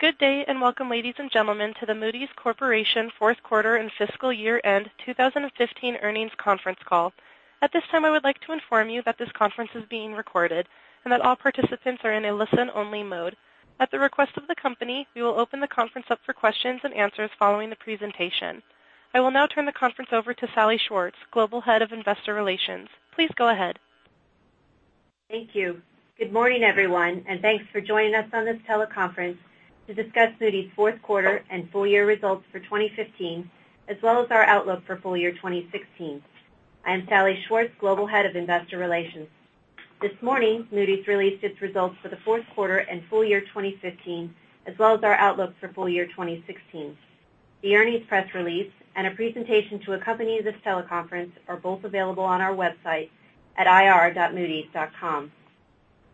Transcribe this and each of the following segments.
Good day, welcome, ladies and gentlemen, to the Moody's Corporation fourth quarter and fiscal year-end 2015 earnings conference call. At this time, I would like to inform you that this conference is being recorded, and that all participants are in a listen-only mode. At the request of the company, we will open the conference up for questions and answers following the presentation. I will now turn the conference over to Salli Schwartz, Global Head of Investor Relations. Please go ahead. Thank you. Good morning, everyone, thanks for joining us on this teleconference to discuss Moody's fourth quarter and full-year results for 2015, as well as our outlook for full-year 2016. I am Salli Schwartz, Global Head of Investor Relations. This morning, Moody's released its results for the fourth quarter and full year 2015, as well as our outlook for full year 2016. The earnings press release and a presentation to accompany this teleconference are both available on our website at ir.moodys.com.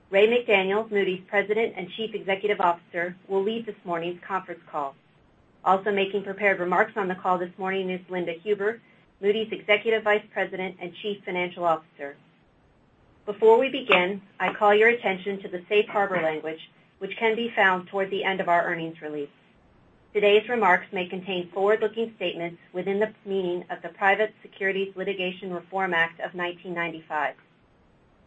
Ray McDaniel, Moody's President and Chief Executive Officer, will lead this morning's conference call. Also making prepared remarks on the call this morning is Linda Huber, Moody's Executive Vice President and Chief Financial Officer. Before we begin, I call your attention to the safe harbor language, which can be found toward the end of our earnings release. Today's remarks may contain forward-looking statements within the meaning of the Private Securities Litigation Reform Act of 1995.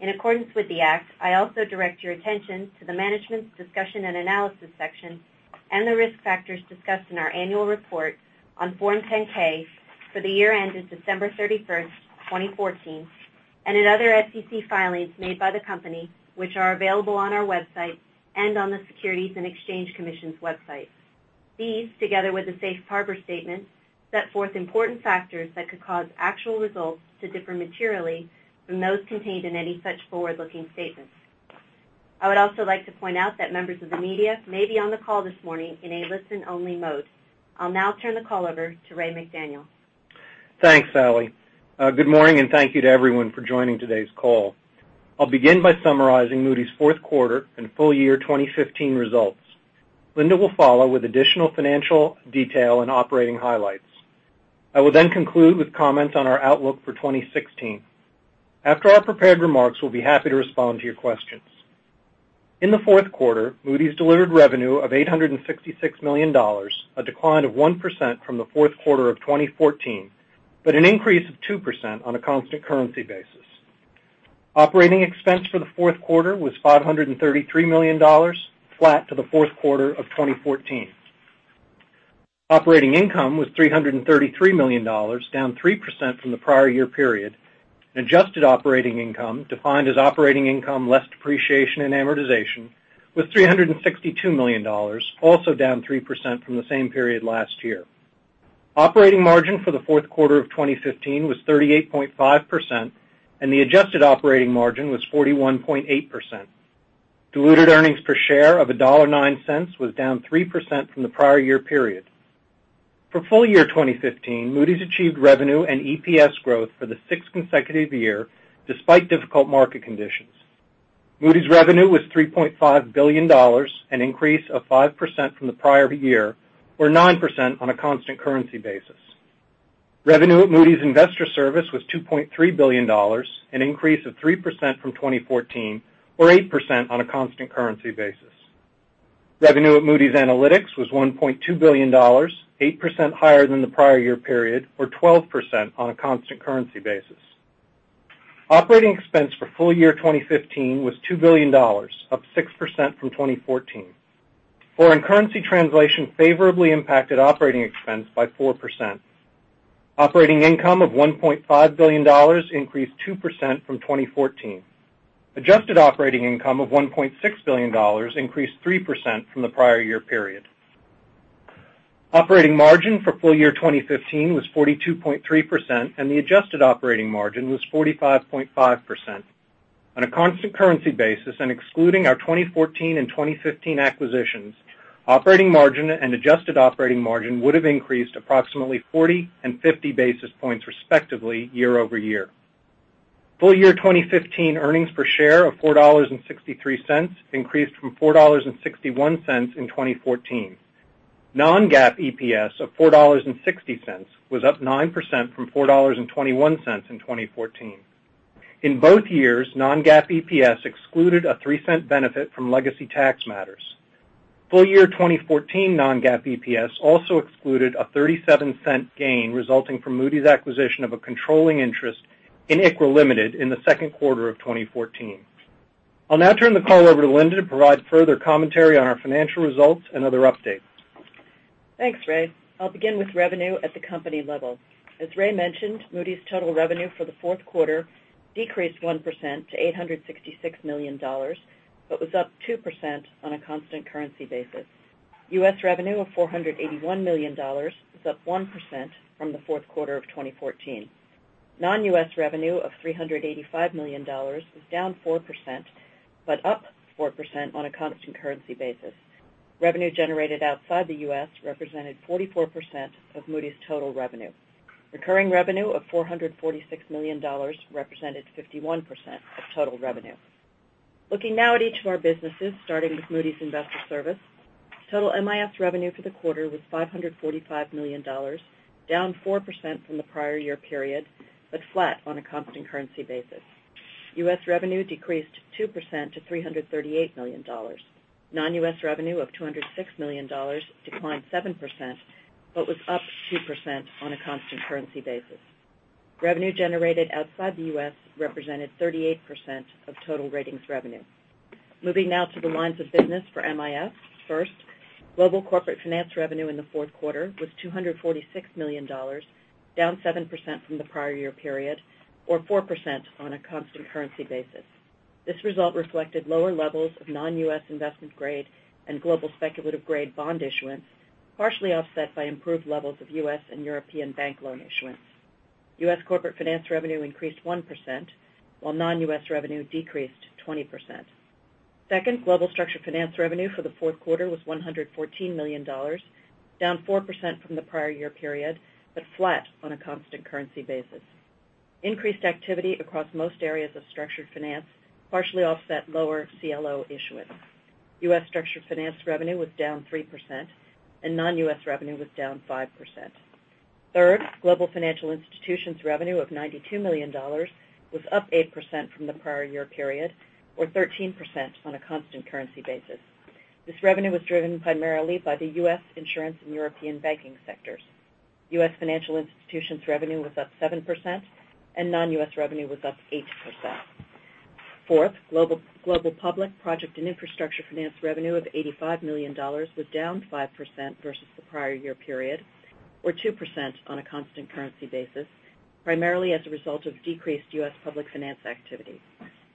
In accordance with the act, I also direct your attention to the Management's Discussion and Analysis section and the risk factors discussed in our annual report on Form 10-K for the year ended December 31st, 2014, and in other SEC filings made by the company, which are available on our website and on the Securities and Exchange Commission's website. These, together with the safe harbor statement, set forth important factors that could cause actual results to differ materially from those contained in any such forward-looking statements. I would also like to point out that members of the media may be on the call this morning in a listen-only mode. I'll now turn the call over to Ray McDaniel. Thanks, Salli. Good morning, thank you to everyone for joining today's call. I'll begin by summarizing Moody's fourth quarter and full year 2015 results. Linda will follow with additional financial detail and operating highlights. I will then conclude with comments on our outlook for 2016. After our prepared remarks, we'll be happy to respond to your questions. In the fourth quarter, Moody's delivered revenue of $866 million, a decline of 1% from the fourth quarter of 2014, but an increase of 2% on a constant currency basis. Operating expense for the fourth quarter was $533 million, flat to the fourth quarter of 2014. Operating income was $333 million, down 3% from the prior year period, and adjusted operating income, defined as operating income less depreciation and amortization, was $362 million, also down 3% from the same period last year. Operating margin for the fourth quarter of 2015 was 38.5%, and the adjusted operating margin was 41.8%. Diluted earnings per share of $1.09 was down 3% from the prior year period. For full year 2015, Moody's achieved revenue and EPS growth for the sixth consecutive year, despite difficult market conditions. Moody's revenue was $3.5 billion, an increase of 5% from the prior year, or 9% on a constant currency basis. Revenue at Moody's Investors Service was $2.3 billion, an increase of 3% from 2014, or 8% on a constant currency basis. Revenue at Moody's Analytics was $1.2 billion, 8% higher than the prior year period, or 12% on a constant currency basis. Operating expense for full year 2015 was $2 billion, up 6% from 2014. Foreign currency translation favorably impacted operating expense by 4%. Operating income of $1.5 billion increased 2% from 2014. Adjusted operating income of $1.6 billion increased 3% from the prior year period. Operating margin for full year 2015 was 42.3%, and the adjusted operating margin was 45.5%. On a constant currency basis and excluding our 2014 and 2015 acquisitions, operating margin and adjusted operating margin would've increased approximately 40 and 50 basis points, respectively, year-over-year. Full year 2015 earnings per share of $4.63 increased from $4.61 in 2014. Non-GAAP EPS of $4.60 was up 9% from $4.21 in 2014. In both years, non-GAAP EPS excluded a $0.03 benefit from legacy tax matters. Full year 2014 non-GAAP EPS also excluded a $0.37 gain resulting from Moody's acquisition of a controlling interest in ICRA Limited in the second quarter of 2014. I'll now turn the call over to Linda to provide further commentary on our financial results and other updates. Thanks, Ray. I'll begin with revenue at the company level. As Ray mentioned, Moody's total revenue for the fourth quarter decreased 1% to $866 million, but was up 2% on a constant currency basis. U.S. revenue of $481 million was up 1% from the fourth quarter of 2014. Non-U.S. revenue of $385 million was down 4%, but up 4% on a constant currency basis. Revenue generated outside the U.S. represented 44% of Moody's total revenue. Recurring revenue of $446 million represented 51% of total revenue. Looking now at each of our businesses, starting with Moody's Investors Service. Total MIS revenue for the quarter was $545 million, down 4% from the prior year period, but flat on a constant currency basis. U.S. revenue decreased 2% to $338 million. Non-U.S. revenue of $206 million declined 7%, but was up 2% on a constant currency basis. Revenue generated outside the U.S. represented 38% of total ratings revenue. Moving now to the lines of business for MIS. First, global corporate finance revenue in the fourth quarter was $246 million, down 7% from the prior year period, or 4% on a constant currency basis. This result reflected lower levels of non-U.S. investment grade and global speculative grade bond issuance, partially offset by improved levels of U.S. and European bank loan issuance. U.S. corporate finance revenue increased 1%, while non-U.S. revenue decreased 20%. Second, global structured finance revenue for the fourth quarter was $114 million, down 4% from the prior year period, but flat on a constant currency basis. Increased activity across most areas of structured finance partially offset lower CLO issuance. U.S. structured finance revenue was down 3%, non-U.S. revenue was down 5%. Third, global financial institutions revenue of $92 million was up 8% from the prior year period, or 13% on a constant currency basis. This revenue was driven primarily by the U.S. insurance and European banking sectors. U.S. financial institutions revenue was up 7%, and non-U.S. revenue was up 8%. Fourth, global public project and infrastructure finance revenue of $85 million was down 5% versus the prior year period, or 2% on a constant currency basis, primarily as a result of decreased U.S. public finance activity.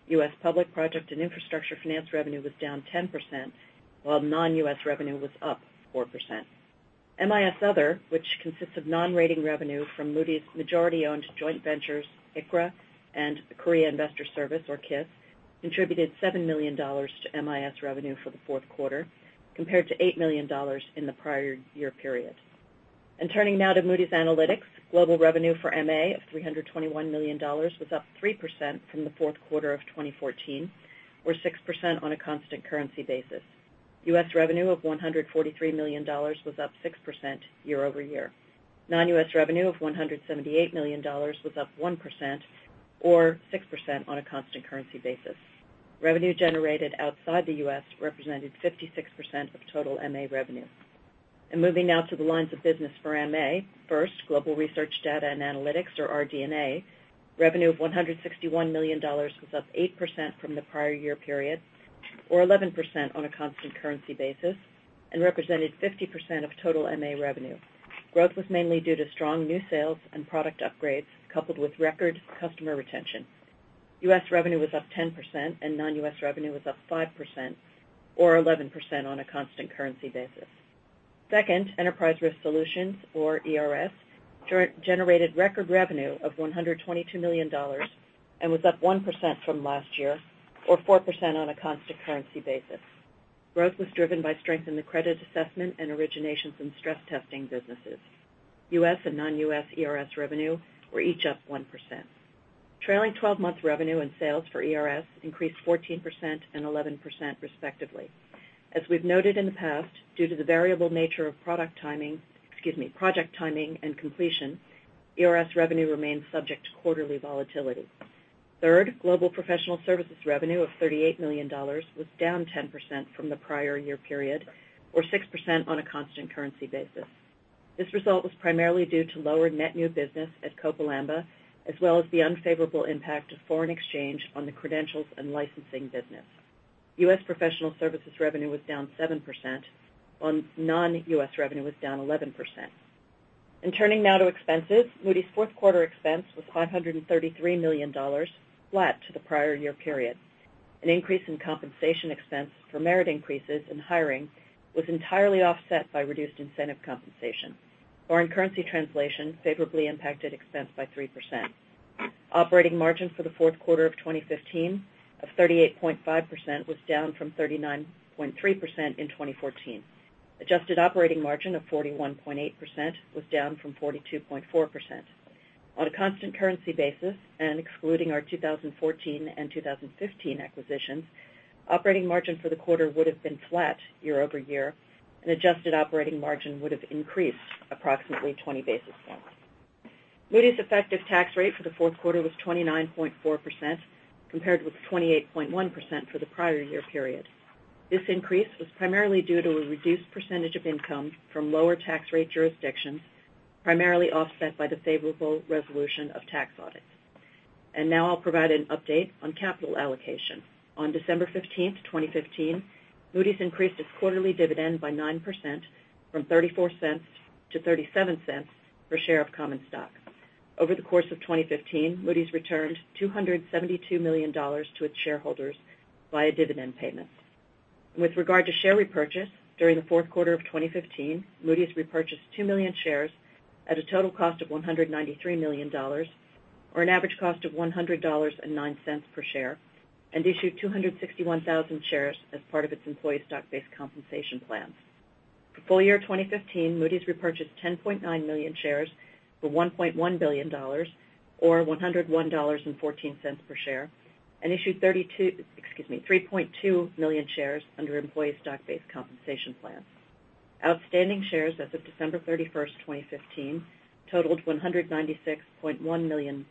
U.S. public project and infrastructure finance revenue was down 10%, while non-U.S. revenue was up 4%. MIS other, which consists of non-rating revenue from Moody's majority-owned joint ventures, ICRA and the Korea Investors Service, or KIS, contributed $7 million to MIS revenue for the fourth quarter, compared to $8 million in the prior year period. Turning now to Moody's Analytics. Global revenue for MA of $321 million was up 3% from the fourth quarter of 2014, or 6% on a constant currency basis. U.S. revenue of $143 million was up 6% year-over-year. Non-U.S. revenue of $178 million was up 1%, or 6% on a constant currency basis. Revenue generated outside the U.S. represented 56% of total MA revenue. Moving now to the lines of business for MA. First, global research data and analytics, or RD&A, revenue of $161 million was up 8% from the prior year period, or 11% on a constant currency basis, and represented 50% of total MA revenue. Growth was mainly due to strong new sales and product upgrades, coupled with record customer retention. U.S. revenue was up 10%, and non-U.S. revenue was up 5%, or 11% on a constant currency basis. Second, Enterprise Risk Solutions, or ERS, generated record revenue of $122 million and was up 1% from last year, or 4% on a constant currency basis. Growth was driven by strength in the credit assessment and originations and stress testing businesses. U.S. and non-U.S. ERS revenue were each up 1%. Trailing 12 months revenue and sales for ERS increased 14% and 11% respectively. As we've noted in the past, due to the variable nature of product timing, excuse me, project timing and completion, ERS revenue remains subject to quarterly volatility. Third, global professional services revenue of $38 million was down 10% from the prior year period, or 6% on a constant currency basis. This result was primarily due to lower net new business at Copal Amba, as well as the unfavorable impact of foreign exchange on the credentials and licensing business. U.S. professional services revenue was down 7%, while non-U.S. revenue was down 11%. Turning now to expenses. Moody's fourth quarter expense was $533 million, flat to the prior year period. An increase in compensation expense for merit increases and hiring was entirely offset by reduced incentive compensation. Foreign currency translation favorably impacted expense by 3%. Operating margin for the fourth quarter of 2015 of 38.5% was down from 39.3% in 2014. Adjusted operating margin of 41.8% was down from 42.4%. On a constant currency basis and excluding our 2014 and 2015 acquisitions, operating margin for the quarter would've been flat year-over-year, and adjusted operating margin would've increased approximately 20 basis points. Moody's effective tax rate for the fourth quarter was 29.4%, compared with 28.1% for the prior year period. This increase was primarily due to a reduced percentage of income from lower tax rate jurisdictions, primarily offset by the favorable resolution of tax audits. Now I'll provide an update on capital allocation. On December 15th, 2015, Moody's increased its quarterly dividend by 9%, from $0.34 to $0.37 per share of common stock. Over the course of 2015, Moody's returned $272 million to its shareholders via dividend payments. With regard to share repurchase, during the fourth quarter of 2015, Moody's repurchased 2 million shares at a total cost of $193 million, or an average cost of $100.09 per share, and issued 261,000 shares as part of its employee stock-based compensation plan. For full year 2015, Moody's repurchased 10.9 million shares for $1.1 billion, or $101.14 per share, and issued 3.2 million shares under employee stock-based compensation plans. Outstanding shares as of December 31st, 2015 totaled 196.1 million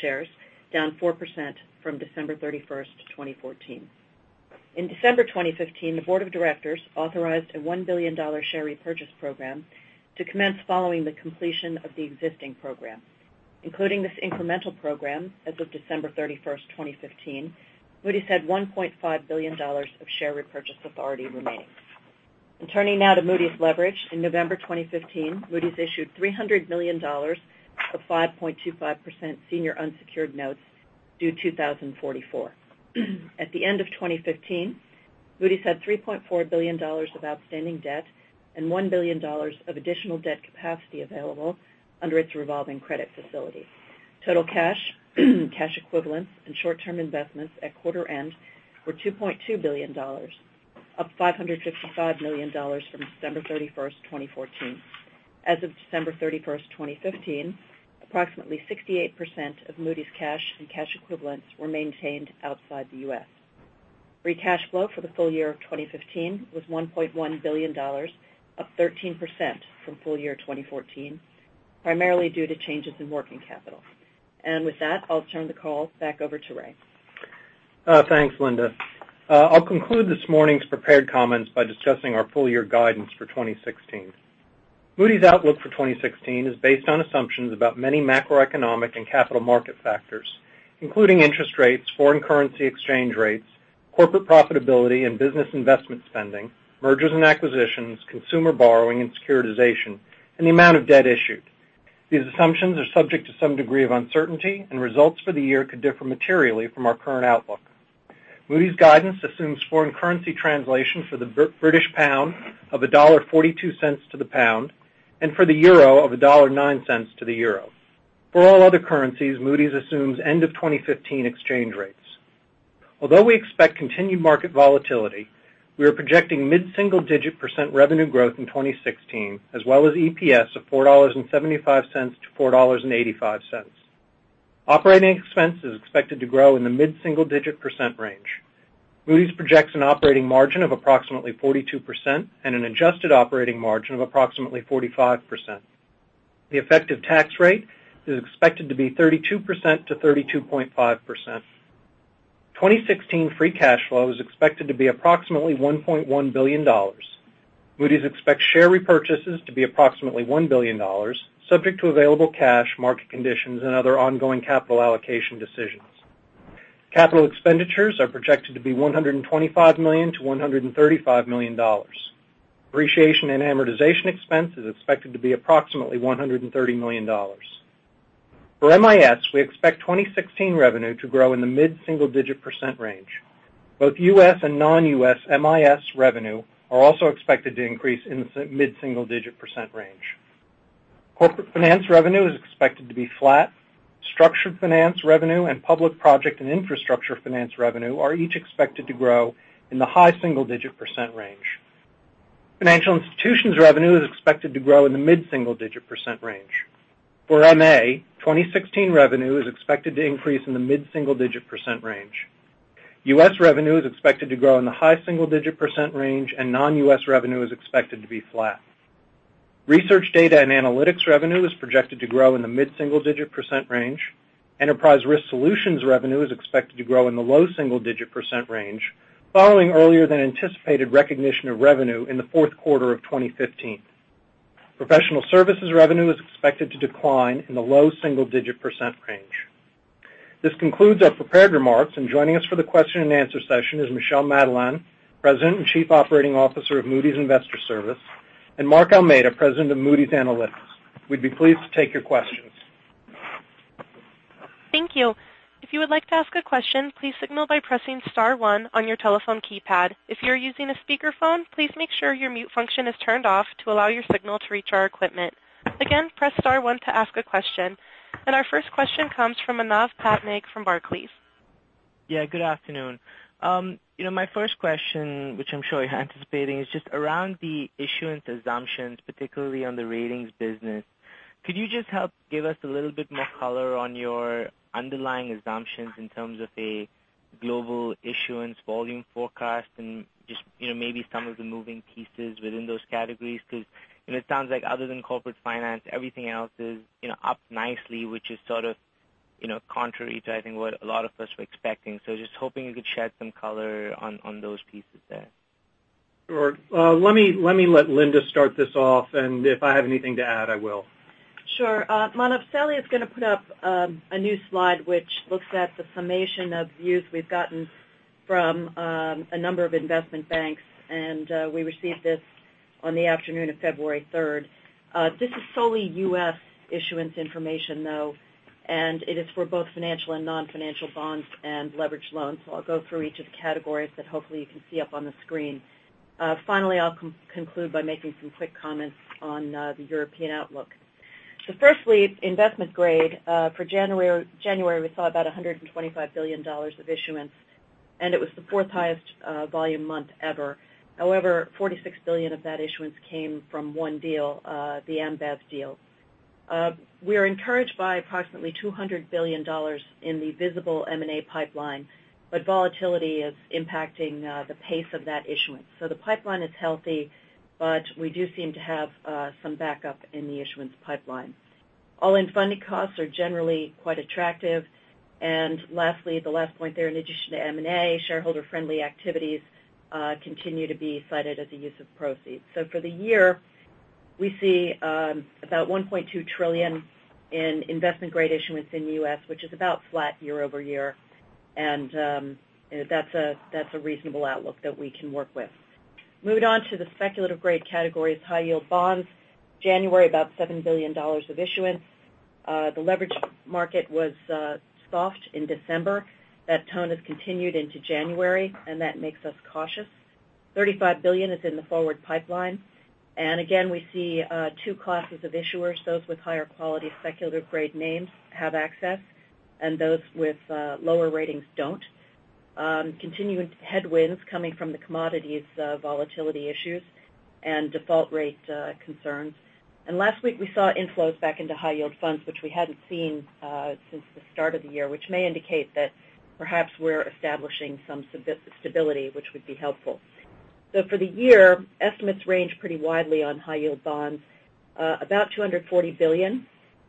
shares, down 4% from December 31st, 2014. In December 2015, the board of directors authorized a $1 billion share repurchase program to commence following the completion of the existing program. Including this incremental program, as of December 31st, 2015, Moody's had $1.5 billion of share repurchase authority remaining. Turning now to Moody's leverage. In November 2015, Moody's issued $300 million of 5.25% senior unsecured notes due 2044. At the end of 2015, Moody's had $3.4 billion of outstanding debt and $1 billion of additional debt capacity available under its revolving credit facility. Total cash equivalents, and short-term investments at quarter end were $2.2 billion, up $555 million from December 31st, 2014. As of December 31st, 2015, approximately 68% of Moody's cash and cash equivalents were maintained outside the U.S. Free cash flow for the full year of 2015 was $1.1 billion, up 13% from full year 2014, primarily due to changes in working capital. With that, I'll turn the call back over to Ray. Thanks, Linda. I'll conclude this morning's prepared comments by discussing our full year guidance for 2016. Moody's outlook for 2016 is based on assumptions about many macroeconomic and capital market factors, including interest rates, foreign currency exchange rates, corporate profitability, and business investment spending, mergers and acquisitions, consumer borrowing and securitization, and the amount of debt issued. These assumptions are subject to some degree of uncertainty, and results for the year could differ materially from our current outlook. Moody's guidance assumes foreign currency translation for the British pound of $1.42 to the pound, and for the euro of $1.09 to the euro. For all other currencies, Moody's assumes end of 2015 exchange rates. Although we expect continued market volatility, we are projecting mid-single digit % revenue growth in 2016, as well as EPS of $4.75-$4.85. Operating expense is expected to grow in the mid-single digit % range. Moody's projects an operating margin of approximately 42% and an adjusted operating margin of approximately 45%. The effective tax rate is expected to be 32%-32.5%. 2016 free cash flow is expected to be approximately $1.1 billion. Moody's expects share repurchases to be approximately $1 billion, subject to available cash, market conditions, and other ongoing capital allocation decisions. Capital expenditures are projected to be $125 million-$135 million. Depreciation and amortization expense is expected to be approximately $130 million. For MIS, we expect 2016 revenue to grow in the mid-single digit percent range. Both U.S. and non-U.S. MIS revenue are also expected to increase in the mid-single digit percent range. Corporate finance revenue is expected to be flat. Structured finance revenue and public project and infrastructure finance revenue are each expected to grow in the high single-digit percent range. Financial institutions revenue is expected to grow in the mid-single digit percent range. For MA, 2016 revenue is expected to increase in the mid-single digit percent range. U.S. revenue is expected to grow in the high single-digit percent range, and non-U.S. revenue is expected to be flat. Research data and analytics revenue is projected to grow in the mid-single digit percent range. Enterprise Risk Solutions revenue is expected to grow in the low single-digit percent range following earlier than anticipated recognition of revenue in the fourth quarter of 2015. Professional services revenue is expected to decline in the low single-digit percent range. This concludes our prepared remarks, joining us for the question and answer session is Michel Madelain, President and Chief Operating Officer of Moody's Investors Service, and Mark Almeida, President of Moody's Analytics. We'd be pleased to take your questions. Thank you. If you would like to ask a question, please signal by pressing *1 on your telephone keypad. If you're using a speakerphone, please make sure your mute function is turned off to allow your signal to reach our equipment. Again, press *1 to ask a question. Our first question comes from Manav Patnaik from Barclays. Yeah. Good afternoon. My first question, which I'm sure you're anticipating, is just around the issuance assumptions, particularly on the ratings business. Could you just help give us a little bit more color on your underlying assumptions in terms of a global issuance volume forecast and just maybe some of the moving pieces within those categories? Because it sounds like other than Corporate Finance, everything else is up nicely, which is sort of contrary to I think what a lot of us were expecting. Just hoping you could shed some color on those pieces there. Sure. Let me let Linda start this off, and if I have anything to add, I will. Sure. Manav, Salli is going to put up a new slide which looks at the summation of views we've gotten from a number of investment banks. We received this on the afternoon of February 3rd. This is solely U.S. issuance information, though, and it is for both financial and non-financial bonds and leverage loans. I'll go through each of the categories that hopefully you can see up on the screen. Finally, I'll conclude by making some quick comments on the European outlook. Firstly, investment grade. For January, we saw about $125 billion of issuance, and it was the fourth highest volume month ever. However, $46 billion of that issuance came from one deal, the Ambev deal. We are encouraged by approximately $200 billion in the visible M&A pipeline, but volatility is impacting the pace of that issuance. The pipeline is healthy, but we do seem to have some backup in the issuance pipeline. All-in funding costs are generally quite attractive. Lastly, the last point there, in addition to M&A, shareholder-friendly activities continue to be cited as a use of proceeds. For the year, we see about $1.2 trillion in investment-grade issuance in the U.S., which is about flat year-over-year. That's a reasonable outlook that we can work with. Moving on to the speculative grade categories, high yield bonds, January, about $7 billion of issuance. The leverage market was soft in December. That tone has continued into January, and that makes us cautious. 35 billion is in the forward pipeline. Again, we see two classes of issuers. Those with higher quality speculative grade names have access, and those with lower ratings don't. Continuing headwinds coming from the commodities volatility issues and default rate concerns. Last week we saw inflows back into high yield funds, which we hadn't seen since the start of the year, which may indicate that perhaps we're establishing some stability, which would be helpful. For the year, estimates range pretty widely on high yield bonds. About $240 billion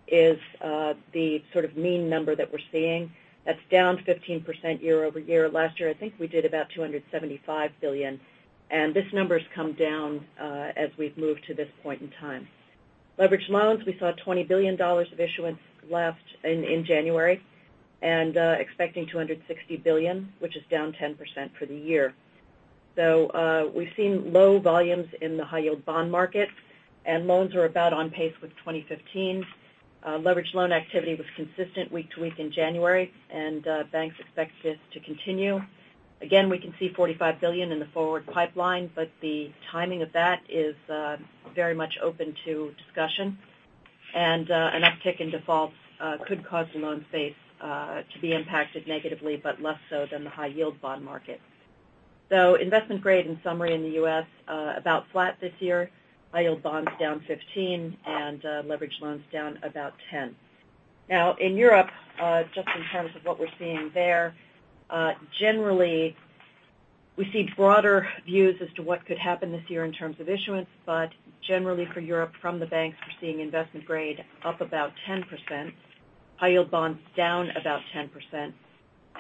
is the sort of mean number that we're seeing. That's down 15% year-over-year. Last year, I think we did about $275 billion, and this number's come down as we've moved to this point in time. Leveraged loans, we saw $20 billion of issuance last in January, expecting $260 billion, which is down 10% for the year. We've seen low volumes in the high yield bond market, and loans are about on pace with 2015. Leveraged loan activity was consistent week to week in January, banks expect this to continue. We can see $45 billion in the forward pipeline, but the timing of that is very much open to discussion. An uptick in defaults could cause the loan space to be impacted negatively, but less so than the high yield bond market. Investment grade, in summary, in the U.S., about flat this year, high yield bonds down 15%, and leveraged loans down about 10%. In Europe, just in terms of what we're seeing there, generally, we see broader views as to what could happen this year in terms of issuance. Generally for Europe, from the banks, we're seeing investment grade up about 10%, high yield bonds down about 10%,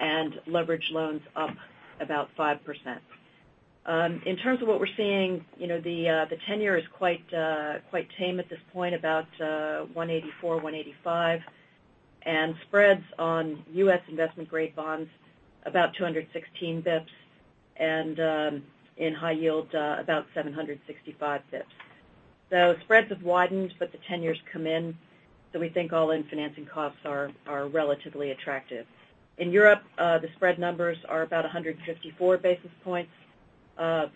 and leverage loans up about 5%. In terms of what we're seeing, the tenor is quite tame at this point, about 184, 185, and spreads on U.S. investment grade bonds about 216 basis points, and in high yield, about 765 basis points. Spreads have widened, but the tenor's come in, so we think all-in financing costs are relatively attractive. In Europe, the spread numbers are about 154 basis points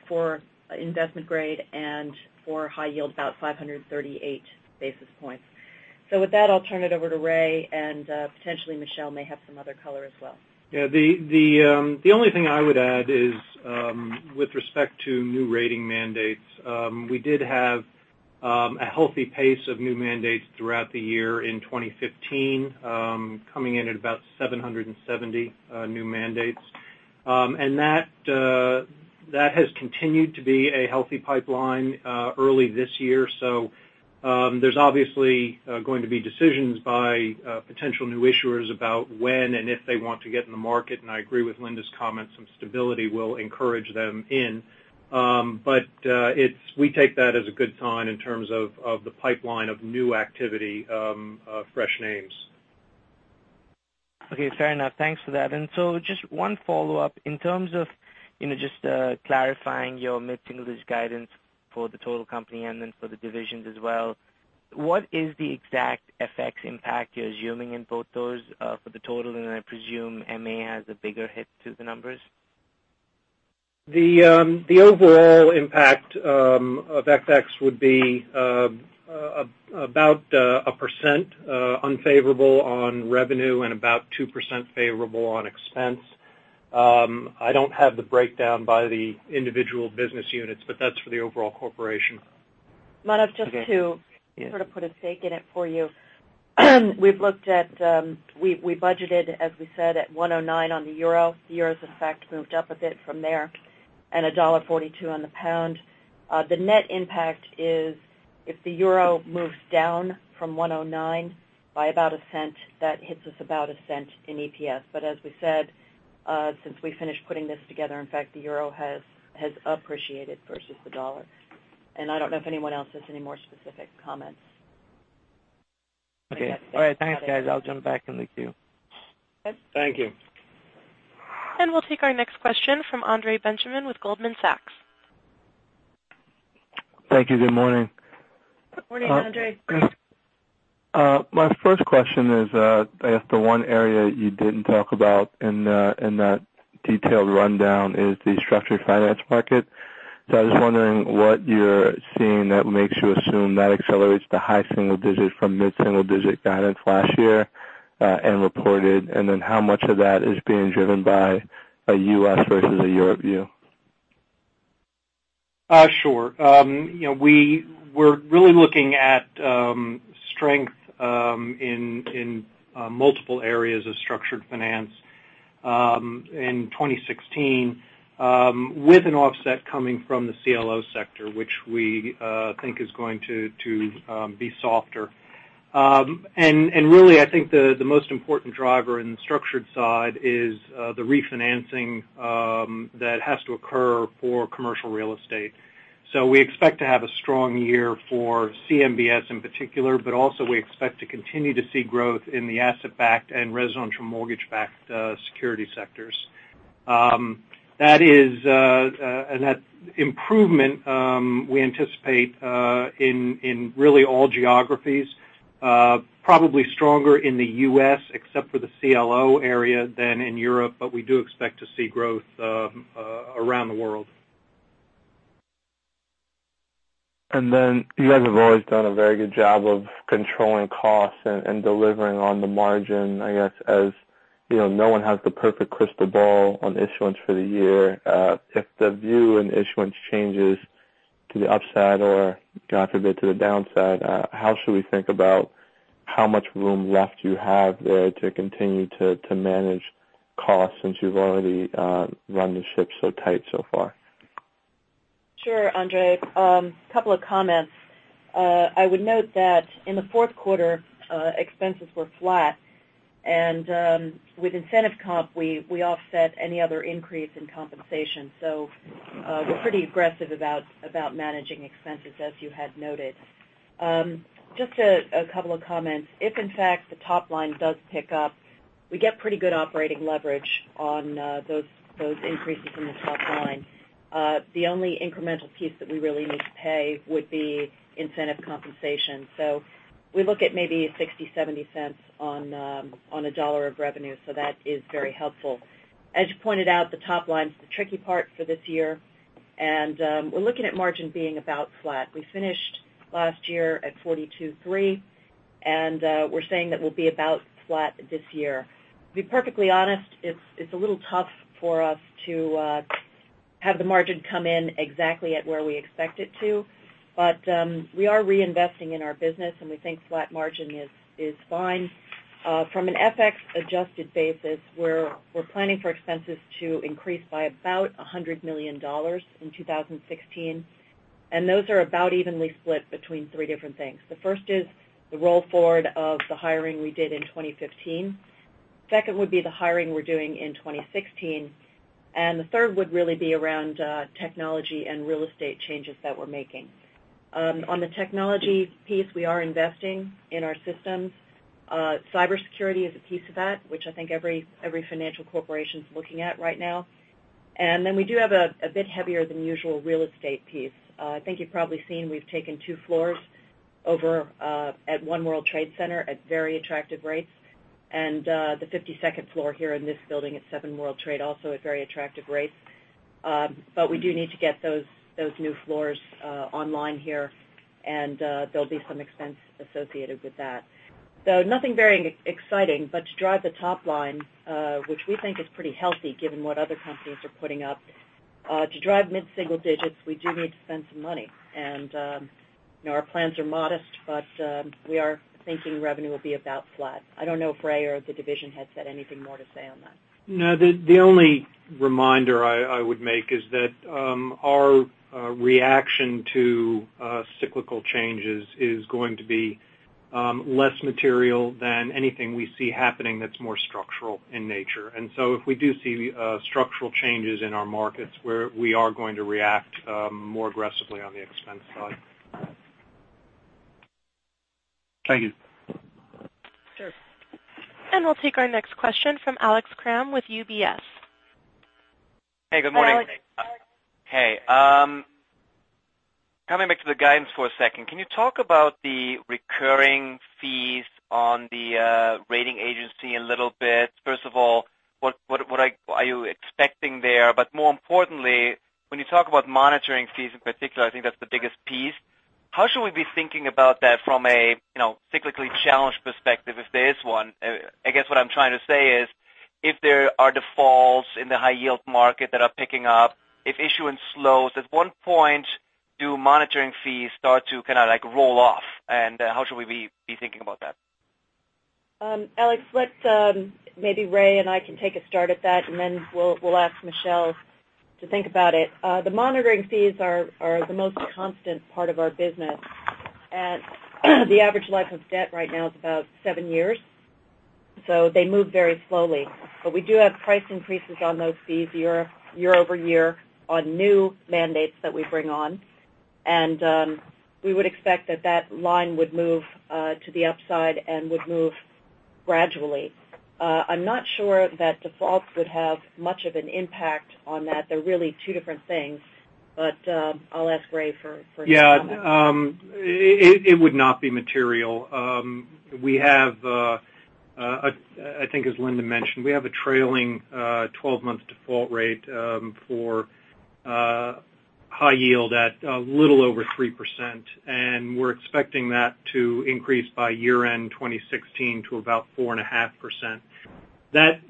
for investment grade and for high yield, about 538 basis points. With that, I'll turn it over to Ray, and potentially Michel may have some other color as well. The only thing I would add is with respect to new rating mandates. We did have a healthy pace of new mandates throughout the year in 2015, coming in at about 770 new mandates. That has continued to be a healthy pipeline early this year. There's obviously going to be decisions by potential new issuers about when and if they want to get in the market. I agree with Linda's comments, some stability will encourage them in. We take that as a good sign in terms of the pipeline of new activity of fresh names. Fair enough. Thanks for that. Just one follow-up. In terms of just clarifying your mid-single-digit guidance for the total company and then for the divisions as well, what is the exact FX impact you're assuming in both those for the total? I presume MA has a bigger hit to the numbers. The overall impact of FX would be about 1% unfavorable on revenue and about 2% favorable on expense. I don't have the breakdown by the individual business units, but that's for the overall corporation. Manav, just to sort of put a stake in it for you. We budgeted, as we said, at $1.09 on the euro. The euro, as a fact, moved up a bit from there, and $1.42 on the pound. The net impact is if the euro moves down from $1.09 by about $0.01, that hits us about $0.01 in EPS. As we said, since we finished putting this together, in fact, the euro has appreciated versus the dollar. I don't know if anyone else has any more specific comments. Okay. All right. Thanks, guys. I'll jump back in the queue. Good. Thank you. We'll take our next question from Andre Benjamin with Goldman Sachs. Thank you. Good morning. Good morning, Andre. My first question is, I guess the one area you didn't talk about in that detailed rundown is the structured finance market. I was wondering what you're seeing that makes you assume that accelerates to high single digit from mid-single digit guidance last year and reported, and then how much of that is being driven by a U.S. versus a Europe view? Sure. We're really looking at strength in multiple areas of structured finance in 2016, with an offset coming from the CLO sector, which we think is going to be softer. Really, I think the most important driver in the structured side is the refinancing that has to occur for commercial real estate. We expect to have a strong year for CMBS in particular, but also we expect to continue to see growth in the asset-backed and residential mortgage-backed security sectors. That improvement we anticipate in really all geographies, probably stronger in the U.S. except for the CLO area than in Europe, but we do expect to see growth around the world. You guys have always done a very good job of controlling costs and delivering on the margin. I guess, as no one has the perfect crystal ball on issuance for the year. If the view in issuance changes to the upside or, God forbid, to the downside, how should we think about how much room left you have there to continue to manage costs, since you've already run the ship so tight so far? Sure, Andre. Couple of comments. I would note that in the fourth quarter, expenses were flat, with incentive comp, we offset any other increase in compensation. We're pretty aggressive about managing expenses as you had noted. Just a couple of comments. If in fact the top line does pick up, we get pretty good operating leverage on those increases in the top line. The only incremental piece that we really need to pay would be incentive compensation. We look at maybe $0.60, $0.70 on a dollar of revenue. That is very helpful. As you pointed out, the top line's the tricky part for this year, we're looking at margin being about flat. We finished last year at 42.3%, we're saying that we'll be about flat this year. To be perfectly honest, it's a little tough for us to have the margin come in exactly at where we expect it to. We are reinvesting in our business, we think flat margin is fine. From an FX adjusted basis, we're planning for expenses to increase by about $100 million in 2016, those are about evenly split between three different things. The first is the roll-forward of the hiring we did in 2015. Second would be the hiring we're doing in 2016. The third would really be around technology and real estate changes that we're making. On the technology piece, we are investing in our systems. Cybersecurity is a piece of that, which I think every financial corporation's looking at right now. We do have a bit heavier than usual real estate piece. I think you've probably seen we've taken two floors over at One World Trade Center at very attractive rates. The 52nd floor here in this building at Seven World Trade, also at very attractive rates. We do need to get those new floors online here, and there'll be some expense associated with that. Nothing very exciting, but to drive the top line, which we think is pretty healthy given what other companies are putting up. To drive mid-single digits, we do need to spend some money. Our plans are modest, but we are thinking revenue will be about flat. I don't know if Ray or the division heads had anything more to say on that. No. The only reminder I would make is that our reaction to cyclical changes is going to be less material than anything we see happening that's more structural in nature. If we do see structural changes in our markets where we are going to react more aggressively on the expense side. Thank you. Sure. We'll take our next question from Alex Kramm with UBS. Hi, Alex. Hey, good morning. Hey. Hey. Coming back to the guidance for a second. Can you talk about the recurring fees on the rating agency a little bit? First of all, what are you expecting there? More importantly, when you talk about monitoring fees in particular, I think that's the biggest piece. How should we be thinking about that from a cyclically challenged perspective, if there is one? I guess what I'm trying to say is, if there are defaults in the high yield market that are picking up, if issuance slows, at what point do monitoring fees start to kind of roll off? How should we be thinking about that? Alex, maybe Ray and I can take a start at that, and then we'll ask Michel to think about it. The monitoring fees are the most constant part of our business. The average life of debt right now is about seven years. They move very slowly. We do have price increases on those fees year-over-year on new mandates that we bring on. We would expect that line would move to the upside and would move gradually. I'm not sure that defaults would have much of an impact on that. They're really two different things. I'll ask Ray for his comment. Yeah. It would not be material. I think as Linda mentioned, we have a trailing 12-month default rate for high yield at a little over 3%, and we're expecting that to increase by year-end 2016 to about 4.5%. That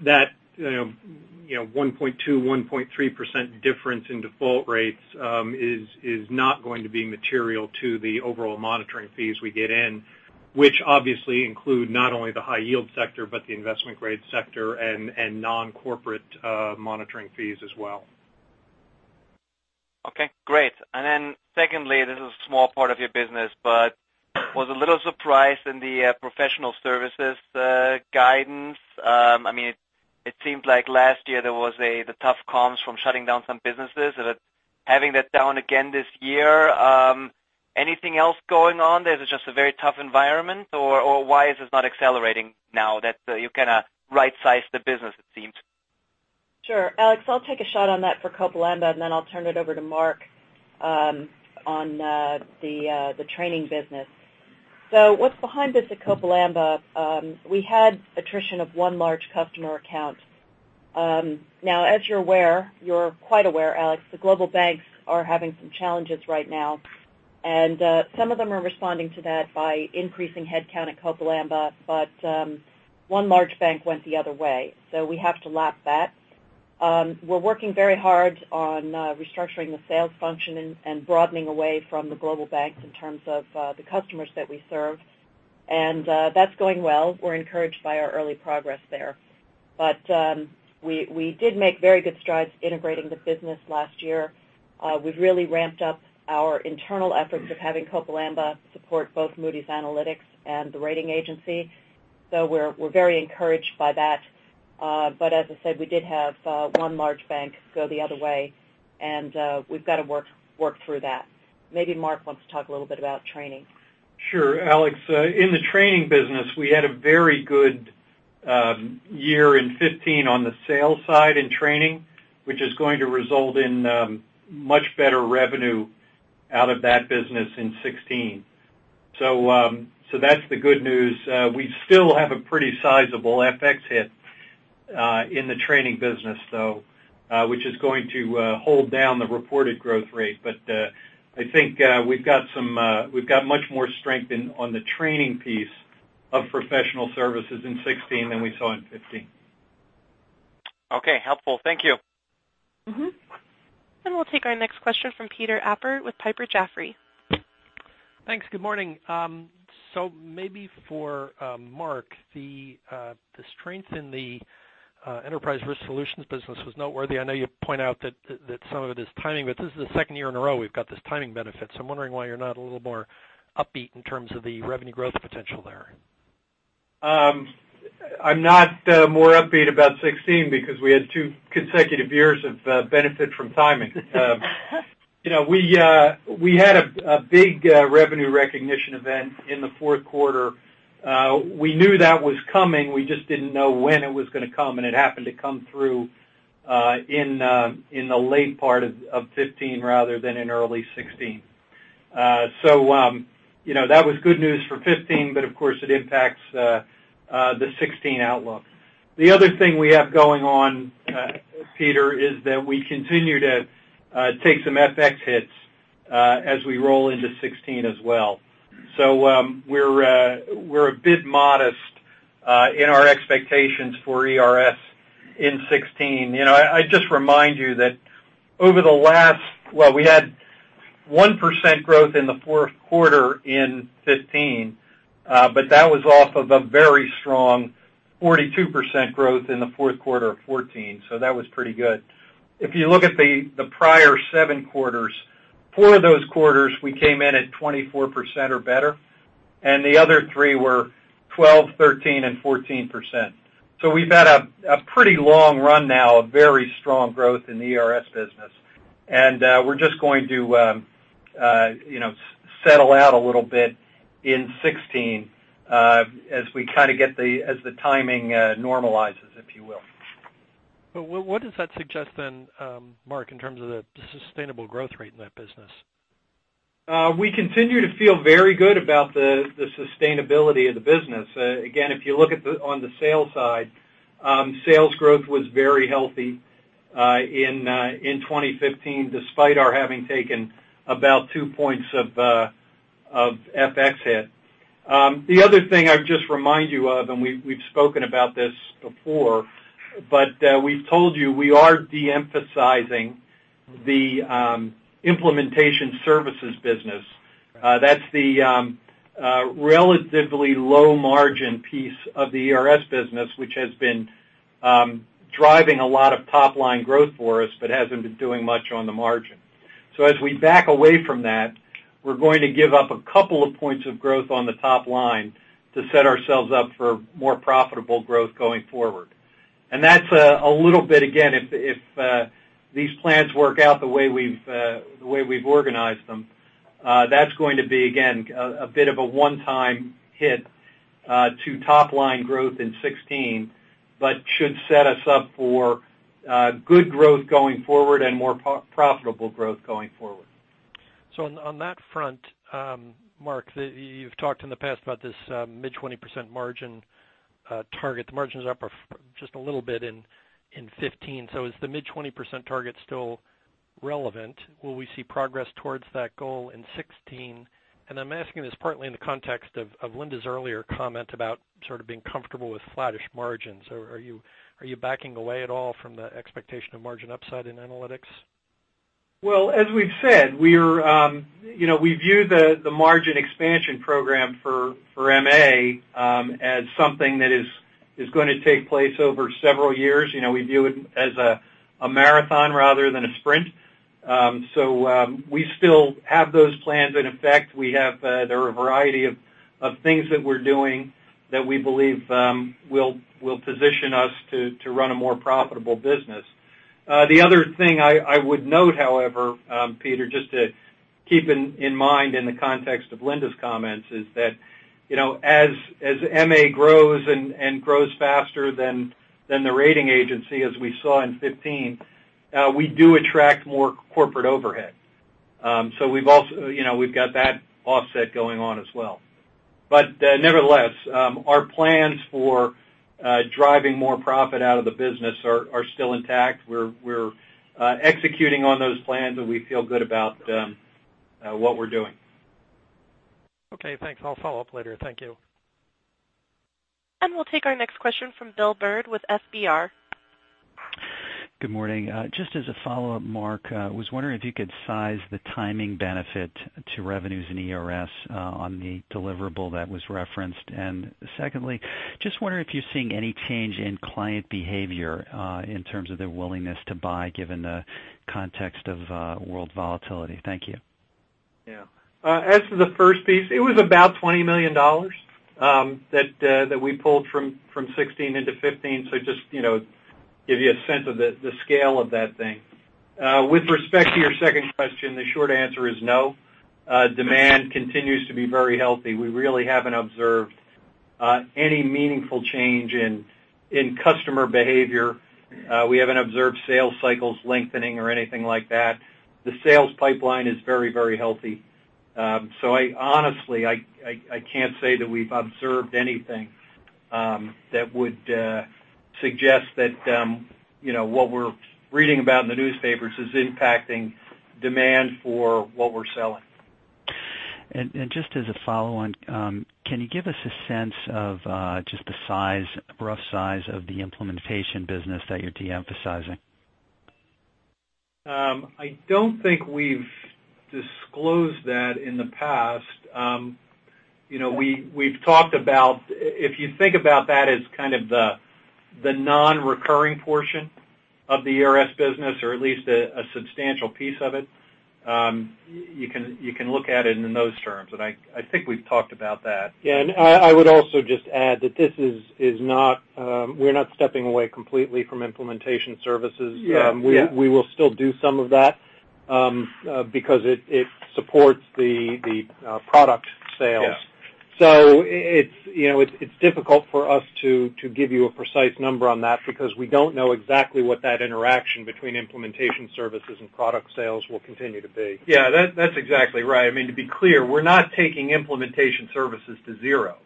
1.2%-1.3% difference in default rates is not going to be material to the overall monitoring fees we get in, which obviously include not only the high yield sector, but the investment grade sector and non-corporate monitoring fees as well. Okay, great. Secondly, this is a small part of your business, but was a little surprised in the professional services guidance. It seemed like last year there was the tough comps from shutting down some businesses. Having that down again this year, anything else going on? Is it just a very tough environment, or why is this not accelerating now that you kind of right-sized the business, it seems? Sure. Alex, I'll take a shot on that for Copal Amba, and then I'll turn it over to Mark on the training business. What's behind this at Copal Amba, we had attrition of one large customer account. Now, as you're aware, you're quite aware, Alex, the global banks are having some challenges right now, and some of them are responding to that by increasing headcount at Copal Amba. One large bank went the other way, so we have to lap that. We're working very hard on restructuring the sales function and broadening away from the global banks in terms of the customers that we serve. That's going well. We're encouraged by our early progress there. We did make very good strides integrating the business last year. We've really ramped up our internal efforts of having Copal Amba support both Moody's Analytics and the rating agency. We're very encouraged by that. As I said, we did have one large bank go the other way, and we've got to work through that. Maybe Mark wants to talk a little bit about training. Sure. Alex, in the training business, we had a very good year in 2015 on the sales side in training, which is going to result in much better revenue out of that business in 2016. That's the good news. We still have a pretty sizable FX hit in the training business, though, which is going to hold down the reported growth rate. I think we've got much more strength on the training piece of professional services in 2016 than we saw in 2015. Okay, helpful. Thank you. We'll take our next question from Peter Appert with Piper Jaffray. Thanks. Good morning. Maybe for Mark Almeida, the strength in the Enterprise Risk Solutions business was noteworthy. I know you point out that some of it is timing, but this is the second year in a row we've got this timing benefit, I'm wondering why you're not a little more upbeat in terms of the revenue growth potential there. I'm not more upbeat about 2016 because we had two consecutive years of benefit from timing. We had a big revenue recognition event in the fourth quarter. We knew that was coming, we just didn't know when it was going to come, and it happened to come through in the late part of 2015 rather than in early 2016. That was good news for 2015, of course it impacts the 2016 outlook. The other thing we have going on, Peter Appert, is that we continue to take some FX hits as we roll into 2016 as well. We're a bit modest in our expectations for ERS in 2016. I'd just remind you that over the last, we had 1% growth in the fourth quarter in 2015. That was off of a very strong 42% growth in the fourth quarter of 2014. That was pretty good. If you look at the prior seven quarters, four of those quarters we came in at 24% or better, and the other three were 12%, 13% and 14%. We've had a pretty long run now of very strong growth in the ERS business. We're just going to settle out a little bit in 2016 as the timing normalizes, if you will. What does that suggest then, Mark Almeida, in terms of the sustainable growth rate in that business? We continue to feel very good about the sustainability of the business. If you look on the sales side, sales growth was very healthy in 2015, despite our having taken about two points of FX hit. The other thing I would just remind you of, and we've spoken about this before, but we've told you we are de-emphasizing the implementation services business. That's the relatively low-margin piece of the ERS business, which has been driving a lot of top-line growth for us, but hasn't been doing much on the margin. As we back away from that, we're going to give up a couple of points of growth on the top line to set ourselves up for more profitable growth going forward. That's a little bit, again, if these plans work out the way we've organized them, that's going to be, again, a bit of a one-time hit to top-line growth in 2016, but should set us up for good growth going forward and more profitable growth going forward. On that front, Mark, you've talked in the past about this mid-20% margin target. The margin's up just a little bit in 2015. Is the mid-20% target still Relevant. Will we see progress towards that goal in 2016? I'm asking this partly in the context of Linda's earlier comment about sort of being comfortable with flattish margins. Are you backing away at all from the expectation of margin upside in analytics? As we've said, we view the margin expansion program for MA as something that is going to take place over several years. We view it as a marathon rather than a sprint. We still have those plans in effect. There are a variety of things that we're doing that we believe will position us to run a more profitable business. The other thing I would note, however, Peter, just to keep in mind in the context of Linda's comments, is that as MA grows and grows faster than the rating agency, as we saw in 2015, we do attract more corporate overhead. We've got that offset going on as well. Nevertheless, our plans for driving more profit out of the business are still intact. We're executing on those plans, and we feel good about what we're doing. Okay, thanks. I'll follow up later. Thank you. We'll take our next question from William Bird with FBR. Good morning. Just as a follow-up, Mark, I was wondering if you could size the timing benefit to revenues in ERS on the deliverable that was referenced. Secondly, just wondering if you're seeing any change in client behavior in terms of their willingness to buy, given the context of world volatility. Thank you. Yeah. As to the first piece, it was about $20 million that we pulled from 2016 into 2015. Just to give you a sense of the scale of that thing. With respect to your second question, the short answer is no. Demand continues to be very healthy. We really haven't observed any meaningful change in customer behavior. We haven't observed sales cycles lengthening or anything like that. The sales pipeline is very healthy. Honestly, I can't say that we've observed anything that would suggest that what we're reading about in the newspapers is impacting demand for what we're selling. Just as a follow-on, can you give us a sense of just the rough size of the implementation business that you're de-emphasizing? I don't think we've disclosed that in the past. If you think about that as kind of the non-recurring portion of the ERS business, or at least a substantial piece of it, you can look at it in those terms, and I think we've talked about that. I would also just add that we're not stepping away completely from implementation services. Yeah. We will still do some of that, because it supports the product sales. Yeah. It's difficult for us to give you a precise number on that, because we don't know exactly what that interaction between implementation services and product sales will continue to be. Yeah. That's exactly right. To be clear, we're not taking implementation services to zero.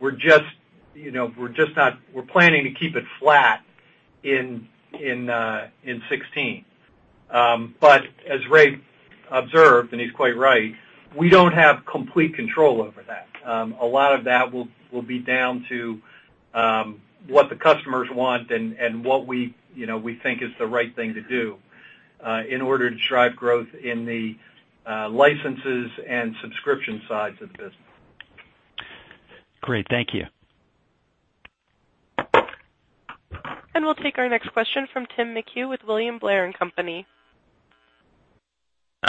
We're planning to keep it flat in 2016. As Ray observed, and he's quite right, we don't have complete control over that. A lot of that will be down to what the customers want and what we think is the right thing to do in order to drive growth in the licenses and subscription sides of the business. Great. Thank you. We'll take our next question from Timothy McHugh with William Blair & Company.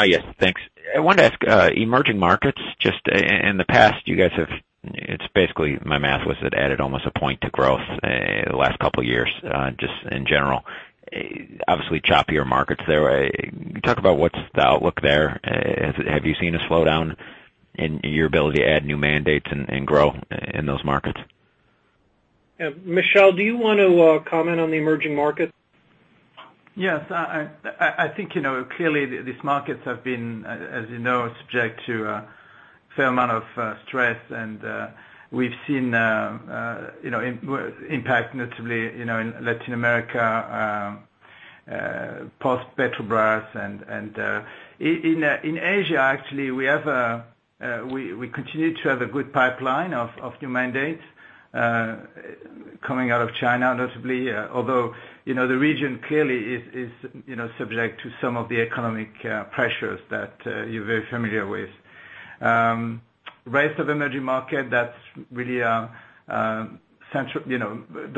Yes. Thanks. I wanted to ask, emerging markets, just in the past, my math was it added almost a point to growth the last couple of years just in general. Obviously, choppier markets there. Can you talk about what's the outlook there? Have you seen a slowdown in your ability to add new mandates and grow in those markets? Michel, do you want to comment on the emerging markets? Yes. I think, clearly these markets have been, as you know, subject to a fair amount of stress, and we've seen impact notably in Latin America, post-Petrobras. In Asia, actually, we continue to have a good pipeline of new mandates coming out of China, notably. Although the region clearly is subject to some of the economic pressures that you're very familiar with. Rest of emerging market, that's really the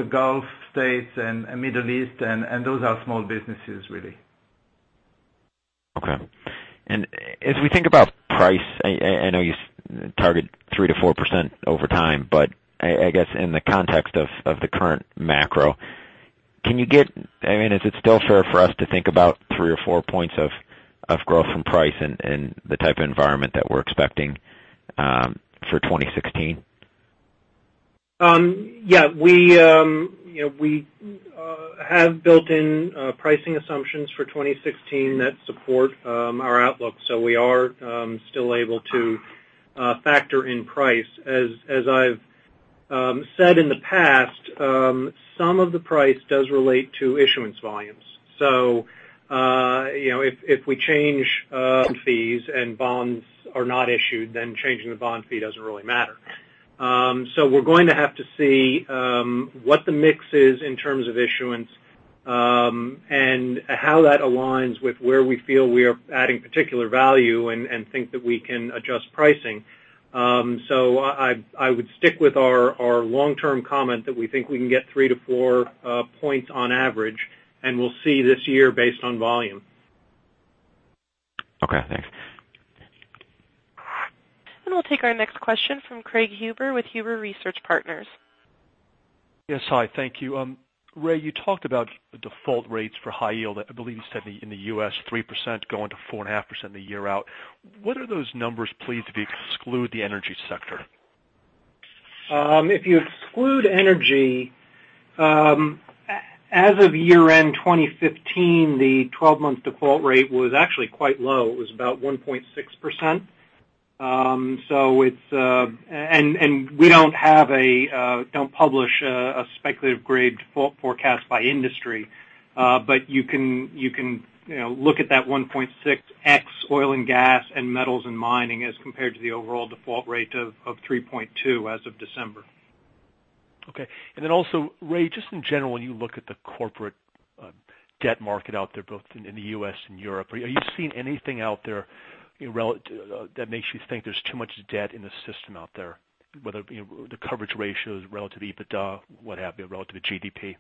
Gulf States and Middle East, and those are small businesses, really. Okay. As we think about price, I know you target 3%-4% over time, I guess in the context of the current macro, is it still fair for us to think about three or four points of growth from price in the type of environment that we're expecting for 2016? Yeah. We have built in pricing assumptions for 2016 that support our outlook, we are still able to factor in price. As I've We've said in the past, some of the price does relate to issuance volumes. If we change fees and bonds are not issued, then changing the bond fee doesn't really matter. We're going to have to see what the mix is in terms of issuance, and how that aligns with where we feel we are adding particular value and think that we can adjust pricing. I would stick with our long-term comment that we think we can get three to four points on average, and we'll see this year based on volume. Okay, thanks. We'll take our next question from Craig Huber with Huber Research Partners. Yes, hi. Thank you. Ray, you talked about default rates for high yield. I believe you said in the U.S., 3% going to 4.5% a year out. What are those numbers, please, if you exclude the energy sector? If you exclude energy, as of year-end 2015, the 12-month default rate was actually quite low. It was about 1.6%. We don't publish a speculative grade default forecast by industry. You can look at that 1.6x oil and gas and metals and mining as compared to the overall default rate of 3.2% as of December. Okay. Also, Ray, just in general, when you look at the corporate debt market out there, both in the U.S. and Europe, are you seeing anything out there that makes you think there's too much debt in the system out there, whether the coverage ratios relative to EBITDA, what have you, relative to GDP?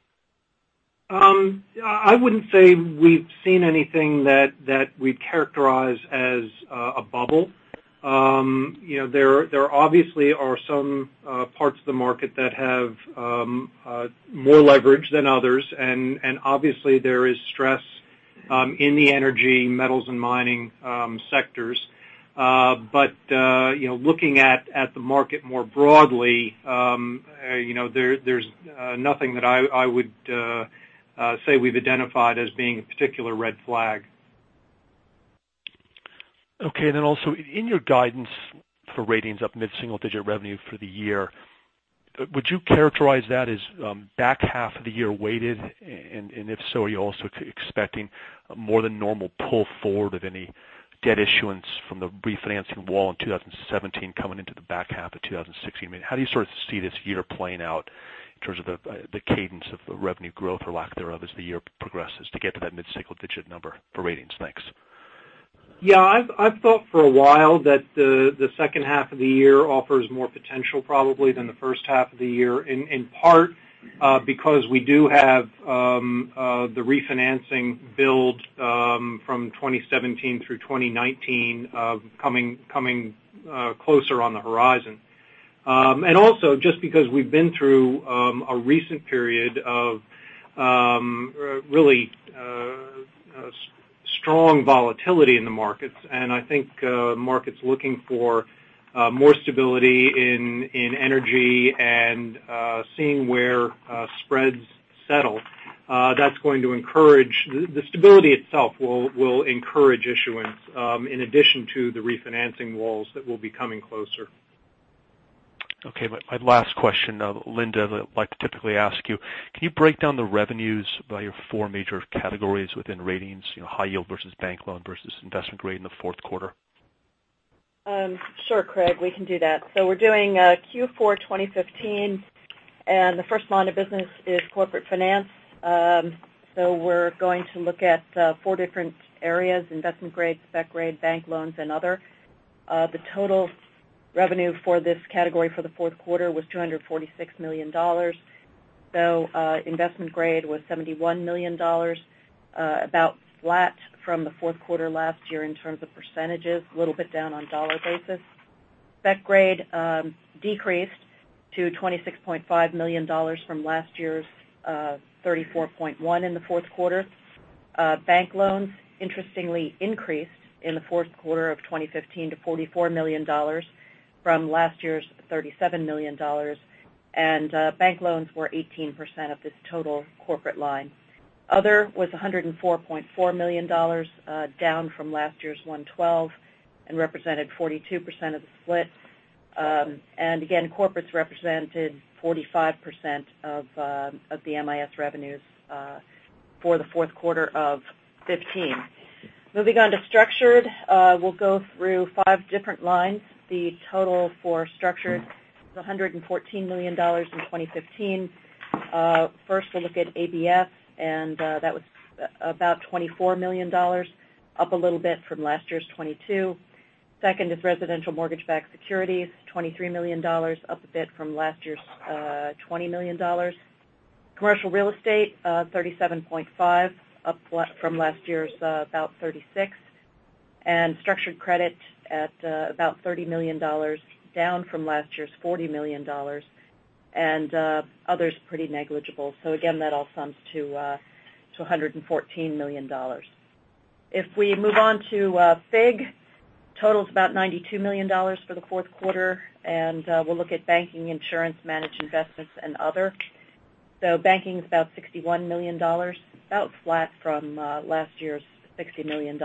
I wouldn't say we've seen anything that we'd characterize as a bubble. There obviously are some parts of the market that have more leverage than others, and obviously there is stress in the energy, metals, and mining sectors. Looking at the market more broadly, there's nothing that I would say we've identified as being a particular red flag. Okay, also, in your guidance for ratings up mid-single-digit revenue for the year, would you characterize that as back-half of the year weighted? If so, are you also expecting more than normal pull forward of any debt issuance from the refinancing wall in 2017 coming into the back-half of 2016? How do you sort of see this year playing out in terms of the cadence of the revenue growth or lack thereof as the year progresses to get to that mid-single-digit number for ratings? Thanks. Yeah, I've thought for a while that the second-half of the year offers more potential probably than the first-half of the year, in part because we do have the refinancing build from 2017 through 2019 coming closer on the horizon. Also just because we've been through a recent period of really strong volatility in the markets, I think markets looking for more stability in energy and seeing where spreads settle. The stability itself will encourage issuance in addition to the refinancing walls that will be coming closer. Okay. My last question, Linda, that I like to typically ask you. Can you break down the revenues by your 4 major categories within ratings, high-yield versus bank loan versus investment-grade in the fourth quarter? Sure, Craig. We are doing Q4 2015, and the first line of business is corporate finance. We are going to look at four different areas, investment grade, spec grade, bank loans, and other. The total revenue for this category for the fourth quarter was $246 million. Investment grade was $71 million, about flat from the fourth quarter last year in terms of percentages, a little bit down on dollar basis. Spec grade decreased to $26.5 million from last year's $34.1 million in the fourth quarter. Bank loans interestingly increased in the fourth quarter of 2015 to $44 million from last year's $37 million, and bank loans were 18% of this total corporate line. Other was $104.4 million, down from last year's $112 million, and represented 42% of the split. Again, corporates represented 45% of the MIS revenues for the fourth quarter of 2015. Moving on to structured. We will go through five different lines. The total for structured was $114 million in 2015. First, we will look at ABS, and that was about $24 million, up a little bit from last year's $22 million. Second is residential mortgage-backed securities, $23 million, up a bit from last year's $20 million. Commercial real estate, $37.5 million, up from last year's about $36 million. Structured credit at about $30 million, down from last year's $40 million. Others, pretty negligible. Again, that all sums to $114 million. If we move on to FIG, total is about $92 million for the fourth quarter, and we will look at banking, insurance, managed investments, and other. Banking is about $61 million, about flat from last year's $60 million.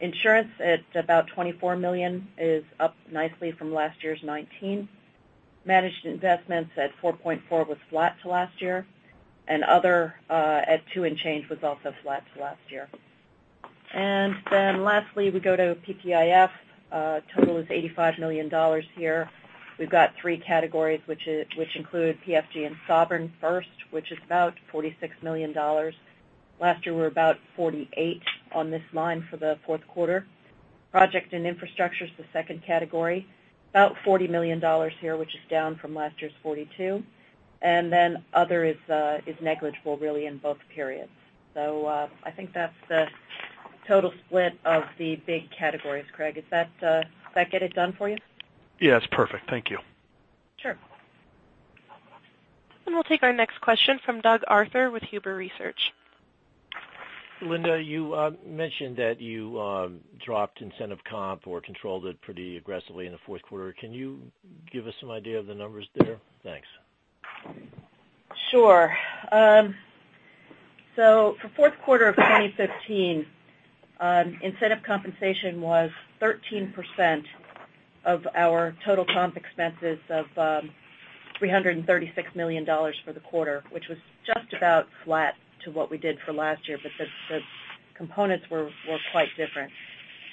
Insurance at about $24 million is up nicely from last year's $19 million. Managed investments at $4.4 million was flat to last year, and other at $2 million and change was also flat to last year. Lastly, we go to PPIF. Total is $85 million here. We have got three categories, which include PFG and sovereign first, which is about $46 million. Last year, we were about $48 million on this line for the fourth quarter. Project and infrastructure is the second category, about $40 million here, which is down from last year's $42 million. Other is negligible, really, in both periods. I think that is the total split of the big categories, Craig. Does that get it done for you? Yes. Perfect. Thank you. Sure. We'll take our next question from Doug Arthur with Huber Research. Linda, you mentioned that you dropped incentive comp or controlled it pretty aggressively in the fourth quarter. Can you give us some idea of the numbers there? Thanks. Sure. For fourth quarter of 2015, incentive compensation was 13% of our total comp expenses of $336 million for the quarter, which was just about flat to what we did for last year, but the components were quite different.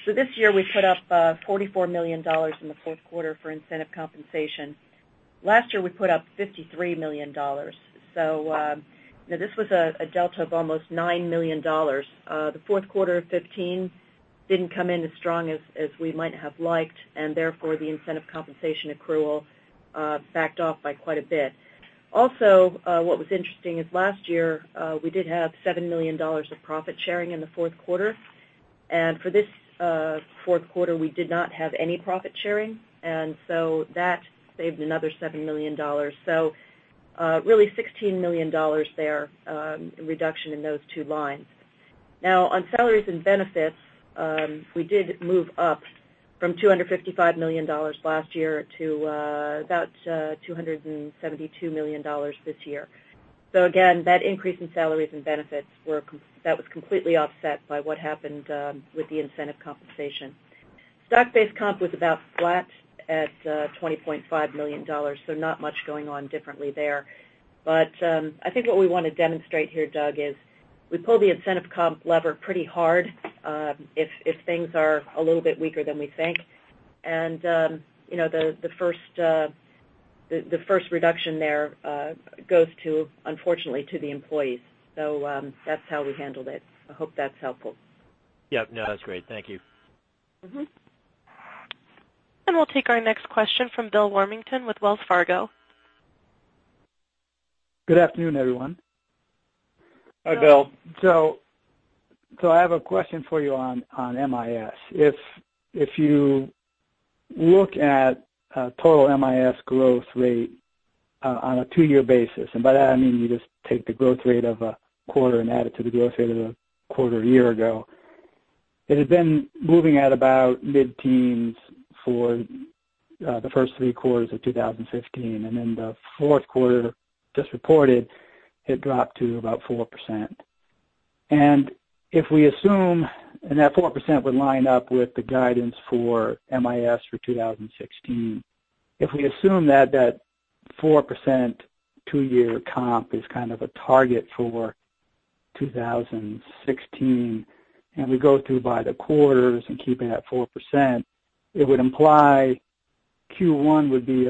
This year, we put up $44 million in the fourth quarter for incentive compensation. Last year, we put up $53 million. This was a delta of almost $9 million. The fourth quarter of 2015 didn't come in as strong as we might have liked, and therefore, the incentive compensation accrual backed off by quite a bit. Also, what was interesting is last year, we did have $7 million of profit sharing in the fourth quarter. For this fourth quarter, we did not have any profit sharing. That saved another $7 million. Really $16 million there, reduction in those two lines. Now, on salaries and benefits, we did move up from $255 million last year to about $272 million this year. Again, that increase in salaries and benefits was completely offset by what happened with the incentive compensation. Stock-based comp was about flat at $20.5 million. Not much going on differently there. I think what we want to demonstrate here, Doug, is we pull the incentive comp lever pretty hard if things are a little bit weaker than we think. The first reduction there goes unfortunately to the employees. That's how we handled it. I hope that's helpful. Yeah. No, that's great. Thank you. We'll take our next question from Bill Warmington with Wells Fargo. Good afternoon, everyone. Hi, Bill. I have a question for you on MIS. If you look at total MIS growth rate on a two-year basis, and by that I mean you just take the growth rate of a quarter and add it to the growth rate of the quarter a year ago, it had been moving at about mid-teens for the first three quarters of 2015. The fourth quarter just reported, it dropped to about 4%. That 4% would line up with the guidance for MIS for 2016. If we assume that 4% two-year comp is kind of a target for 2016, we go through by the quarters and keeping that 4%, it would imply Q1 would be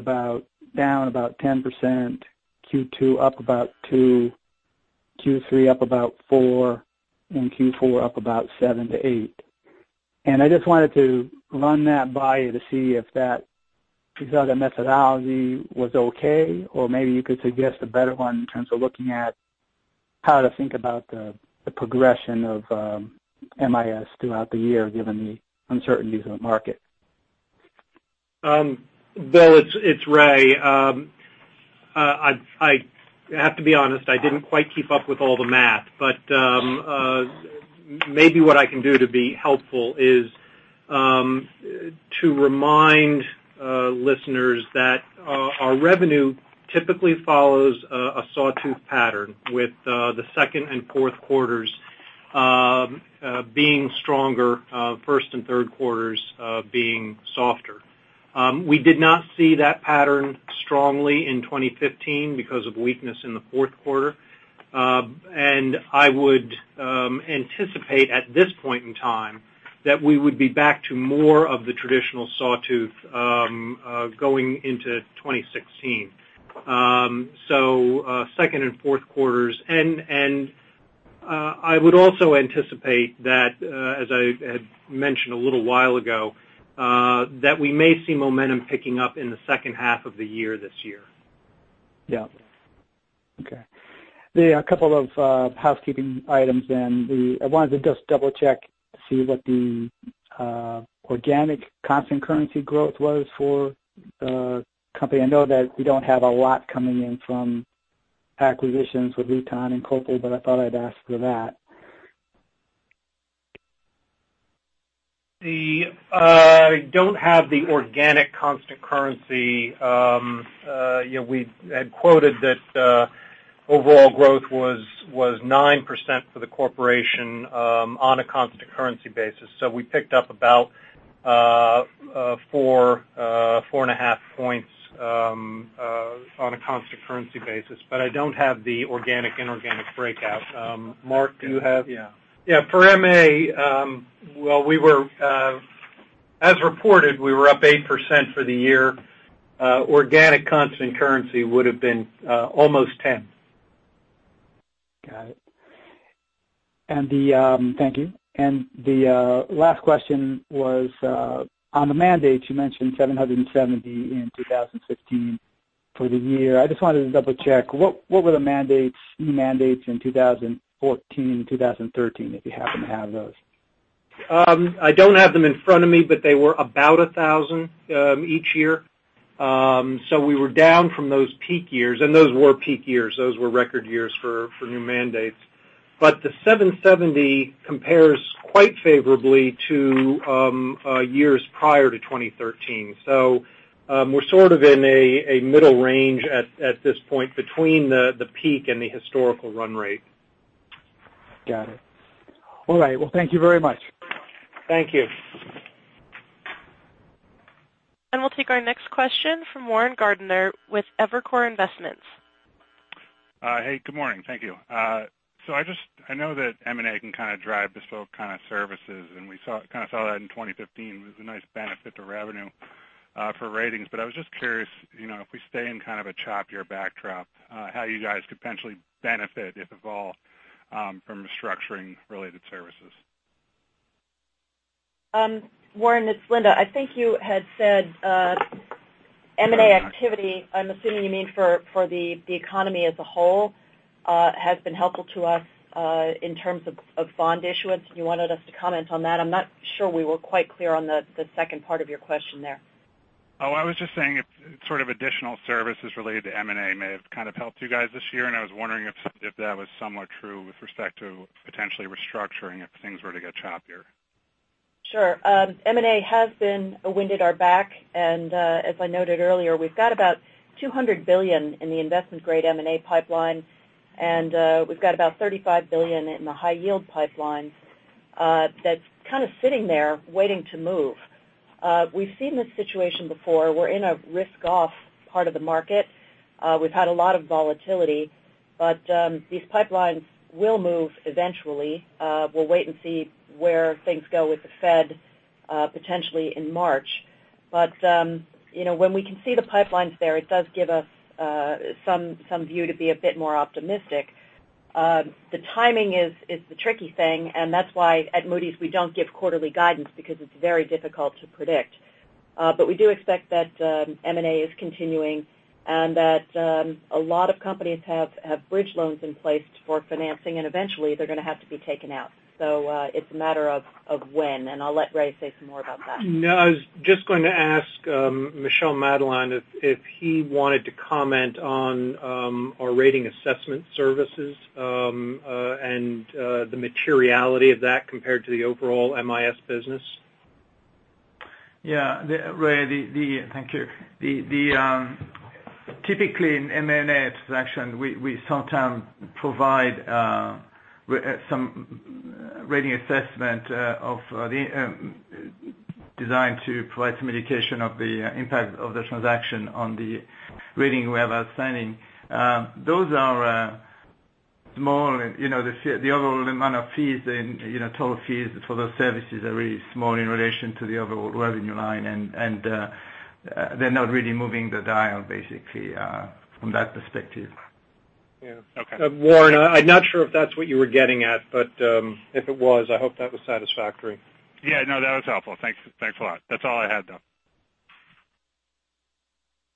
down about 10%, Q2 up about 2%, Q3 up about 4%, and Q4 up about 7%-8%. I just wanted to run that by you to see if that methodology was okay, or maybe you could suggest a better one in terms of looking at how to think about the progression of MIS throughout the year, given the uncertainties in the market. Bill, it's Ray. I have to be honest, I didn't quite keep up with all the math. Maybe what I can do to be helpful is to remind listeners that our revenue typically follows a sawtooth pattern with the second and fourth quarters being stronger, first and third quarters being softer. We did not see that pattern strongly in 2015 because of weakness in the fourth quarter. I would anticipate at this point in time that we would be back to more of the traditional sawtooth going into 2016. Second and fourth quarters. I would also anticipate that, as I had mentioned a little while ago, that we may see momentum picking up in the second half of the year this year. Yeah. Okay. A couple of housekeeping items then. I wanted to just double-check to see what the organic constant currency growth was for the company. I know that we don't have a lot coming in from acquisitions with Lewtan and Copley, I thought I'd ask for that. I don't have the organic constant currency. We had quoted that overall growth was 9% for the corporation on a constant currency basis. We picked up about 4.5 points on a constant currency basis. I don't have the organic, inorganic breakout. Mark, do you have? Yeah. For MA, as reported, we were up 8% for the year. Organic constant currency would've been almost 10. Got it. Thank you. The last question was, on the mandate, you mentioned 770 in 2016 for the year. I just wanted to double-check, what were the mandates in 2014, 2013, if you happen to have those? I don't have them in front of me, they were about 1,000 each year. We were down from those peak years, and those were peak years. Those were record years for new mandates. The 770 compares quite favorably to years prior to 2013. We're sort of in a middle range at this point between the peak and the historical run rate. Got it. All right. Well, thank you very much. Thank you. We'll take our next question from Warren Gardiner with Evercore ISI. Hey, good morning. Thank you. I know that M&A can kind of drive bespoke kind of services, and we kind of saw that in 2015. It was a nice benefit to revenue for ratings. I was just curious, if we stay in kind of a choppier backdrop, how you guys could potentially benefit, if at all, from restructuring related services. Warren, it's Linda. I think you had said M&A activity, I'm assuming you mean for the economy as a whole, has been helpful to us in terms of bond issuance. You wanted us to comment on that. I'm not sure we were quite clear on the second part of your question there. I was just saying if sort of additional services related to M&A may have kind of helped you guys this year, and I was wondering if that was somewhat true with respect to potentially restructuring, if things were to get choppier. M&A has been a wind at our back. As I noted earlier, we've got about $200 billion in the investment-grade M&A pipeline, and we've got about $35 billion in the high yield pipeline that's kind of sitting there waiting to move. We've seen this situation before. We're in a risk-off part of the market. We've had a lot of volatility. These pipelines will move eventually. We'll wait and see where things go with the Fed potentially in March. When we can see the pipelines there, it does give us some view to be a bit more optimistic. The timing is the tricky thing, and that's why at Moody's we don't give quarterly guidance because it's very difficult to predict. We do expect that M&A is continuing and that a lot of companies have bridge loans in place for financing, and eventually they're going to have to be taken out. It's a matter of when, and I'll let Ray say some more about that. I was just going to ask Michel Madelain if he wanted to comment on our rating assessment services and the materiality of that compared to the overall MIS business. Ray, thank you. Typically, in M&A transaction, we sometimes provide some rating assessment designed to provide some indication of the impact of the transaction on the rating we have outstanding. Those are small. The overall amount of fees and total fees for those services are really small in relation to the overall revenue line, and they're not really moving the dial basically from that perspective. Okay. Warren, I'm not sure if that's what you were getting at, if it was, I hope that was satisfactory. Yeah, no, that was helpful. Thanks a lot. That's all I had, though.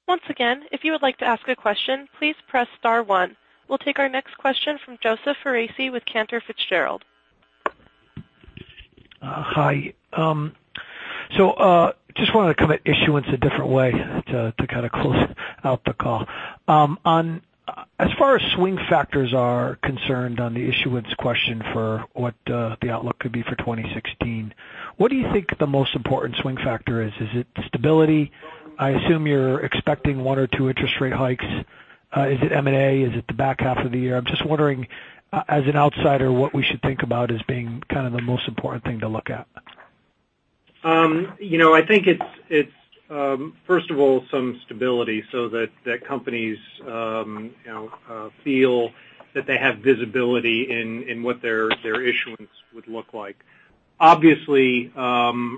Once again, if you would like to ask a question, please press star one. We'll take our next question from Joseph Foresi with Cantor Fitzgerald. Hi. Just wanted to come at issuance a different way to kind of close out the call. As far as swing factors are concerned on the issuance question for what the outlook could be for 2016, what do you think the most important swing factor is? Is it stability? I assume you're expecting one or two interest rate hikes. Is it M&A? Is it the back half of the year? I'm just wondering, as an outsider, what we should think about as being kind of the most important thing to look at. I think it's first of all, some stability so that companies feel that they have visibility in what their issuance would look like. Obviously,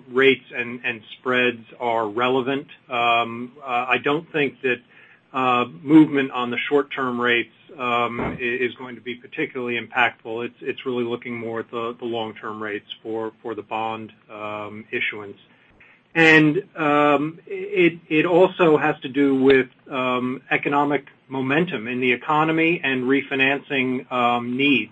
rates and spreads are relevant. I don't think that movement on the short-term rates is going to be particularly impactful. It's really looking more at the long-term rates for the bond issuance. It also has to do with economic momentum in the economy and refinancing needs.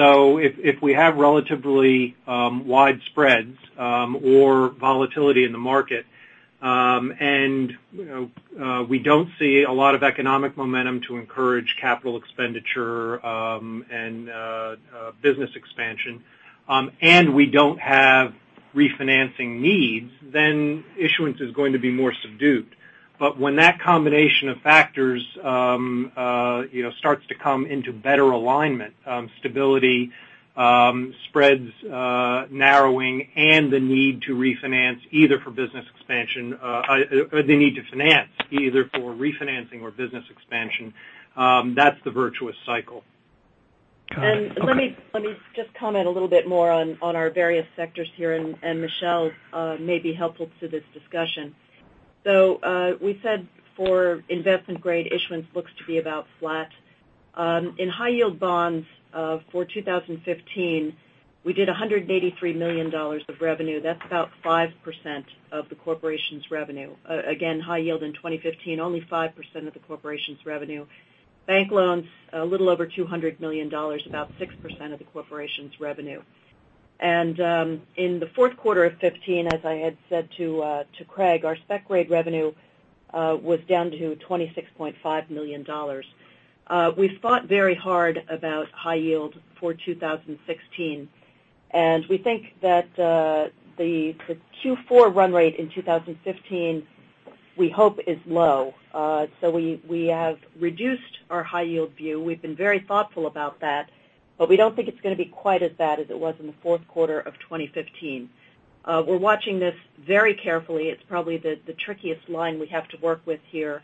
If we have relatively wide spreads or volatility in the market and we don't see a lot of economic momentum to encourage capital expenditure and business expansion. We don't have refinancing needs, then issuance is going to be more subdued. When that combination of factors starts to come into better alignment, stability spreads narrowing and the need to finance, either for refinancing or business expansion, that's the virtuous cycle. Got it. Okay. Let me just comment a little bit more on our various sectors here, and Michel may be helpful to this discussion. We said for investment grade, issuance looks to be about flat. In high yield bonds for 2015, we did $183 million of revenue. That's about 5% of the corporation's revenue. Again, high yield in 2015, only 5% of the corporation's revenue. Bank loans, a little over $200 million, about 6% of the corporation's revenue. In the fourth quarter of 2015, as I had said to Craig, our spec-grade revenue was down to $26.5 million. We've thought very hard about high yield for 2016, and we think that the Q4 run rate in 2015, we hope, is low. We have reduced our high yield view. We've been very thoughtful about that, but we don't think it's going to be quite as bad as it was in the fourth quarter of 2015. We're watching this very carefully. It's probably the trickiest line we have to work with here.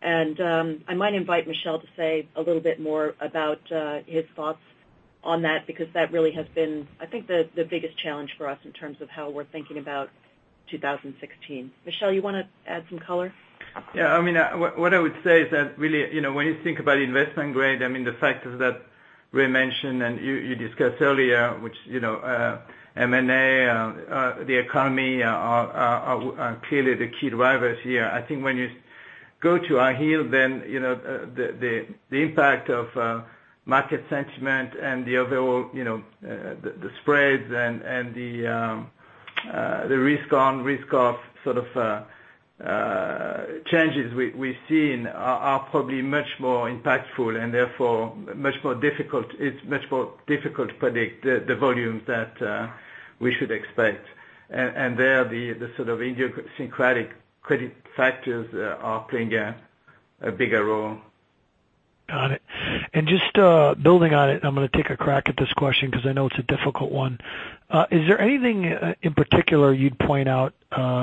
I might invite Michel to say a little bit more about his thoughts on that, because that really has been, I think, the biggest challenge for us in terms of how we're thinking about 2016. Michel, you want to add some color? Yeah. What I would say is that really, when you think about investment grade, the factors that Ray mentioned and you discussed earlier, which M&A, the economy are clearly the key drivers here. I think when you go to high yield, the impact of market sentiment and the overall spreads and the risk-on, risk-off sort of changes we've seen are probably much more impactful and therefore it's much more difficult to predict the volumes that we should expect. There, the sort of idiosyncratic credit factors are playing a bigger role. Got it. Just building on it, I'm going to take a crack at this question because I know it's a difficult one. Is there anything in particular you'd point out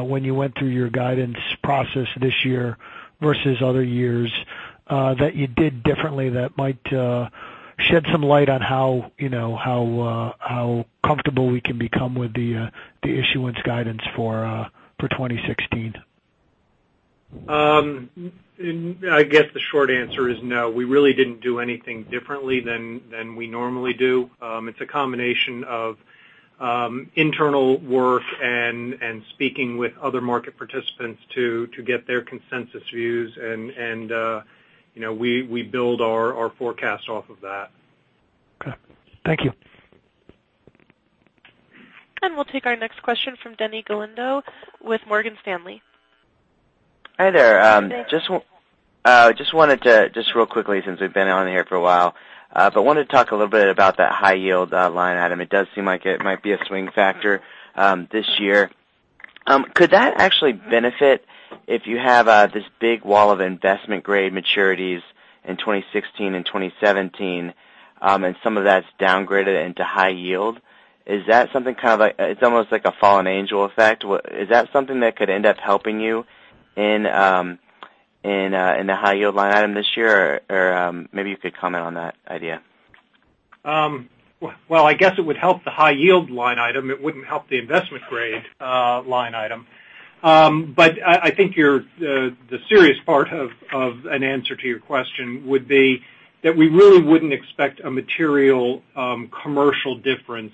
when you went through your guidance process this year versus other years that you did differently that might shed some light on how comfortable we can become with the issuance guidance for 2016? I guess the short answer is no. We really didn't do anything differently than we normally do. It's a combination of internal work and speaking with other market participants to get their consensus views, we build our forecast off of that. Okay. Thank you. We'll take our next question from Denny Galindo with Morgan Stanley. Hi there. Hi, Denny. Just real quickly since we've been on here for a while, but wanted to talk a little bit about that high yield line item. It does seem like it might be a swing factor this year. Could that actually benefit if you have this big wall of investment-grade maturities in 2016 and 2017, and some of that's downgraded into high yield? It's almost like a fallen angel effect. Is that something that could end up helping you in the high yield line item this year? Or maybe you could comment on that idea. Well, I guess it would help the high yield line item. It wouldn't help the investment-grade line item. I think the serious part of an answer to your question would be that we really wouldn't expect a material commercial difference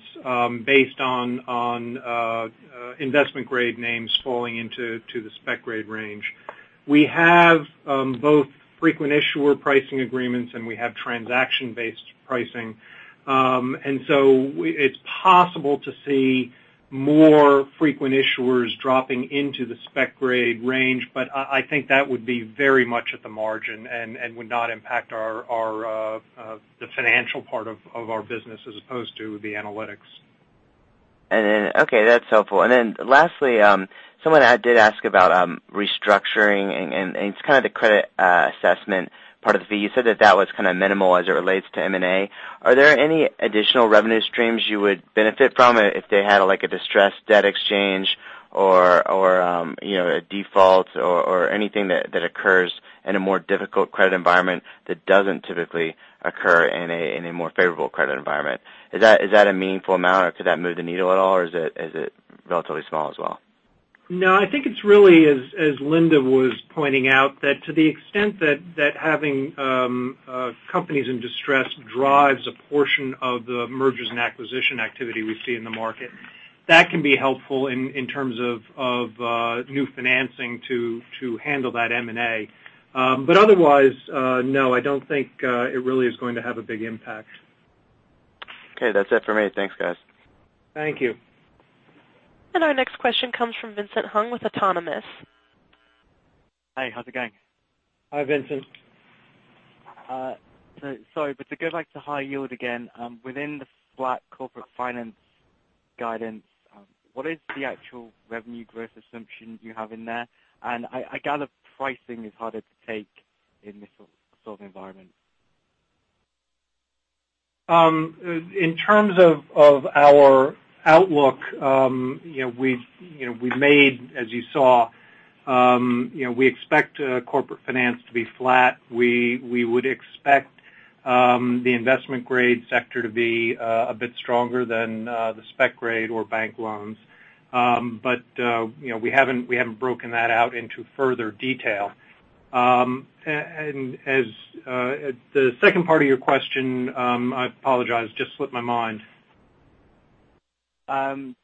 based on investment-grade names falling into the spec-grade range. We have both frequent issuer pricing agreements, and we have transaction-based pricing. So it's possible to see more frequent issuers dropping into the spec-grade range, but I think that would be very much at the margin and would not impact the financial part of our business as opposed to the analytics. Okay, that's helpful. Then lastly, someone did ask about restructuring, and it's kind of the credit assessment part of the fee. You said that that was kind of minimal as it relates to M&A. Are there any additional revenue streams you would benefit from if they had a distressed debt exchange or a default or anything that occurs in a more difficult credit environment that doesn't typically occur in a more favorable credit environment? Is that a meaningful amount or could that move the needle at all or is it relatively small as well? No, I think it's really as Linda was pointing out, that to the extent that having companies in distress drives a portion of the mergers and acquisition activity we see in the market, that can be helpful in terms of new financing to handle that M&A. Otherwise, no, I don't think it really is going to have a big impact. Okay, that's it for me. Thanks, guys. Thank you. Our next question comes from Vincent Hung with Autonomous. Hey, how's it going? Hi, Vincent. Sorry, to go back to high yield again. Within the flat corporate finance guidance, what is the actual revenue growth assumption you have in there? I gather pricing is harder to take in this sort of environment. In terms of our outlook, we made, as you saw, we expect corporate finance to be flat. We would expect the investment grade sector to be a bit stronger than the spec grade or bank loans. We haven't broken that out into further detail. The second part of your question, I apologize, just slipped my mind.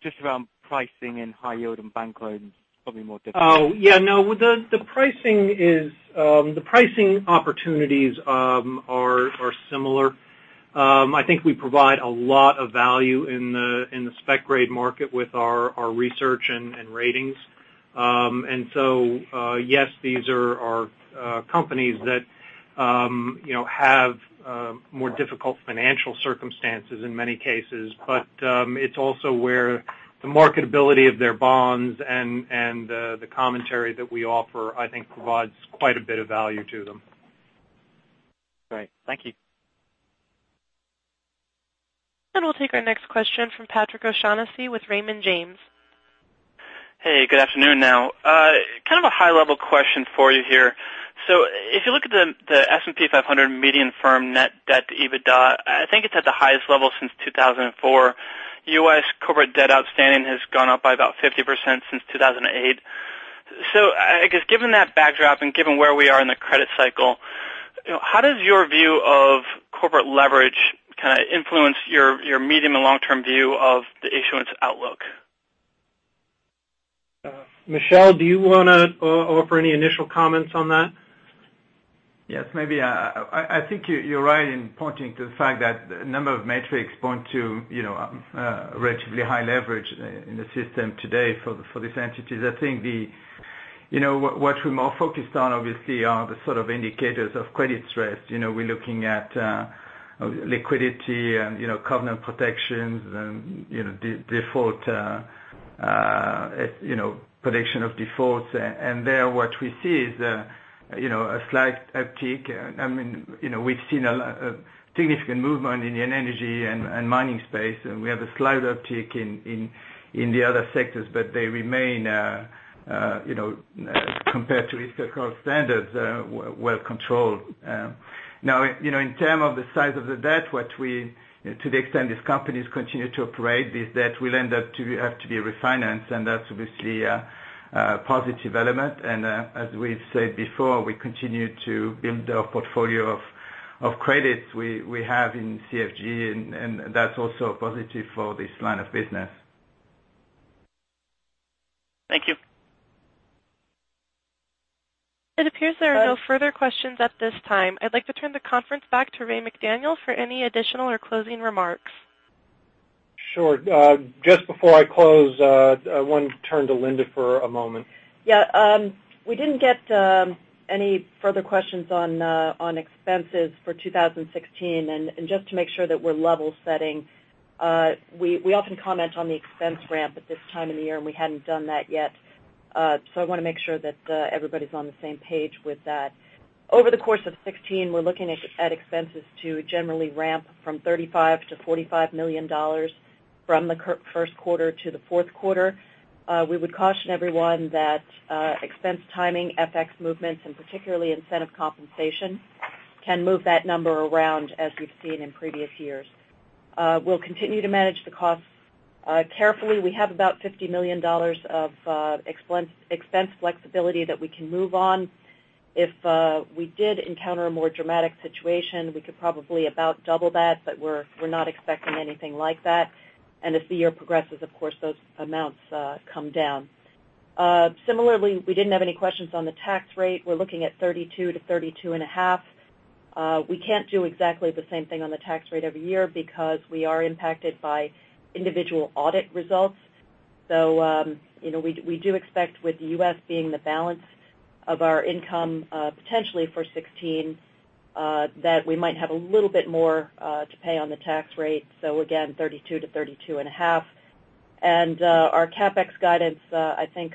Just around pricing in high yield and bank loans, probably more difficult. Oh, yeah. No. The pricing opportunities are similar. I think we provide a lot of value in the spec grade market with our research and ratings. So, yes, these are companies that have more difficult financial circumstances in many cases. It's also where the marketability of their bonds and the commentary that we offer, I think provides quite a bit of value to them. Great. Thank you. We'll take our next question from Patrick O'Shaughnessy with Raymond James. Hey, good afternoon. Kind of a high level question for you here. If you look at the S&P 500 median firm net debt to EBITDA, I think it's at the highest level since 2004. U.S. corporate debt outstanding has gone up by about 50% since 2008. I guess given that backdrop and given where we are in the credit cycle, how does your view of corporate leverage kind of influence your medium and long-term view of the issuance outlook? Michel, do you want to offer any initial comments on that? Yes. I think you're right in pointing to the fact that a number of metrics point to relatively high leverage in the system today for these entities. I think what we're more focused on obviously are the sort of indicators of credit stress. We're looking at liquidity and covenant protections and prediction of defaults. There what we see is a slight uptick. We've seen a significant movement in the energy and mining space, and we have a slight uptick in the other sectors. They remain, compared to historical standards, well controlled. In terms of the size of the debt, to the extent these companies continue to operate, this debt will end up to have to be refinanced, and that's obviously a positive element. As we've said before, we continue to build our portfolio of credits we have in CFG, and that's also a positive for this line of business. Thank you. It appears there are no further questions at this time. I'd like to turn the conference back to Raymond McDaniel for any additional or closing remarks. Sure. Just before I close, I want to turn to Linda for a moment. We didn't get any further questions on expenses for 2016. Just to make sure that we're level setting, we often comment on the expense ramp at this time of the year, and we hadn't done that yet. I want to make sure that everybody's on the same page with that. Over the course of 2016, we're looking at expenses to generally ramp from $35 million to $45 million from the first quarter to the fourth quarter. We would caution everyone that expense timing, FX movements, and particularly incentive compensation can move that number around as we've seen in previous years. We'll continue to manage the costs carefully. We have about $50 million of expense flexibility that we can move on. If we did encounter a more dramatic situation, we could probably about double that, but we're not expecting anything like that. As the year progresses, of course, those amounts come down. Similarly, we didn't have any questions on the tax rate. We're looking at 32%-32.5%. We can't do exactly the same thing on the tax rate every year because we are impacted by individual audit results. We do expect with the U.S. being the balance of our income potentially for 2016, that we might have a little bit more to pay on the tax rate. Again, 32%-32.5%. Our CapEx guidance, I think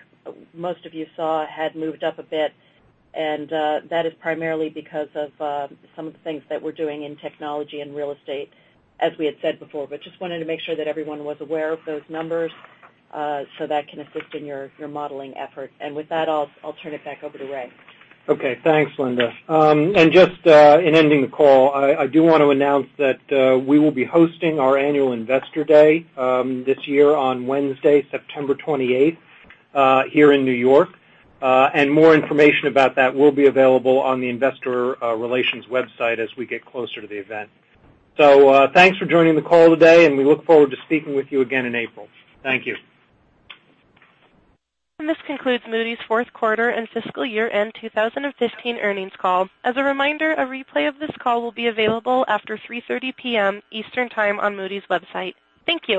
most of you saw, had moved up a bit. That is primarily because of some of the things that we're doing in technology and real estate, as we had said before. Just wanted to make sure that everyone was aware of those numbers so that can assist in your modeling effort. With that, I'll turn it back over to Ray. Okay, thanks, Linda. Just in ending the call, I do want to announce that we will be hosting our annual Investor Day this year on Wednesday, September 28th here in New York. More information about that will be available on the investor relations website as we get closer to the event. Thanks for joining the call today, and we look forward to speaking with you again in April. Thank you. This concludes Moody's fourth quarter and fiscal year-end 2015 earnings call. As a reminder, a replay of this call will be available after 3:30 P.M. Eastern Time on Moody's website. Thank you.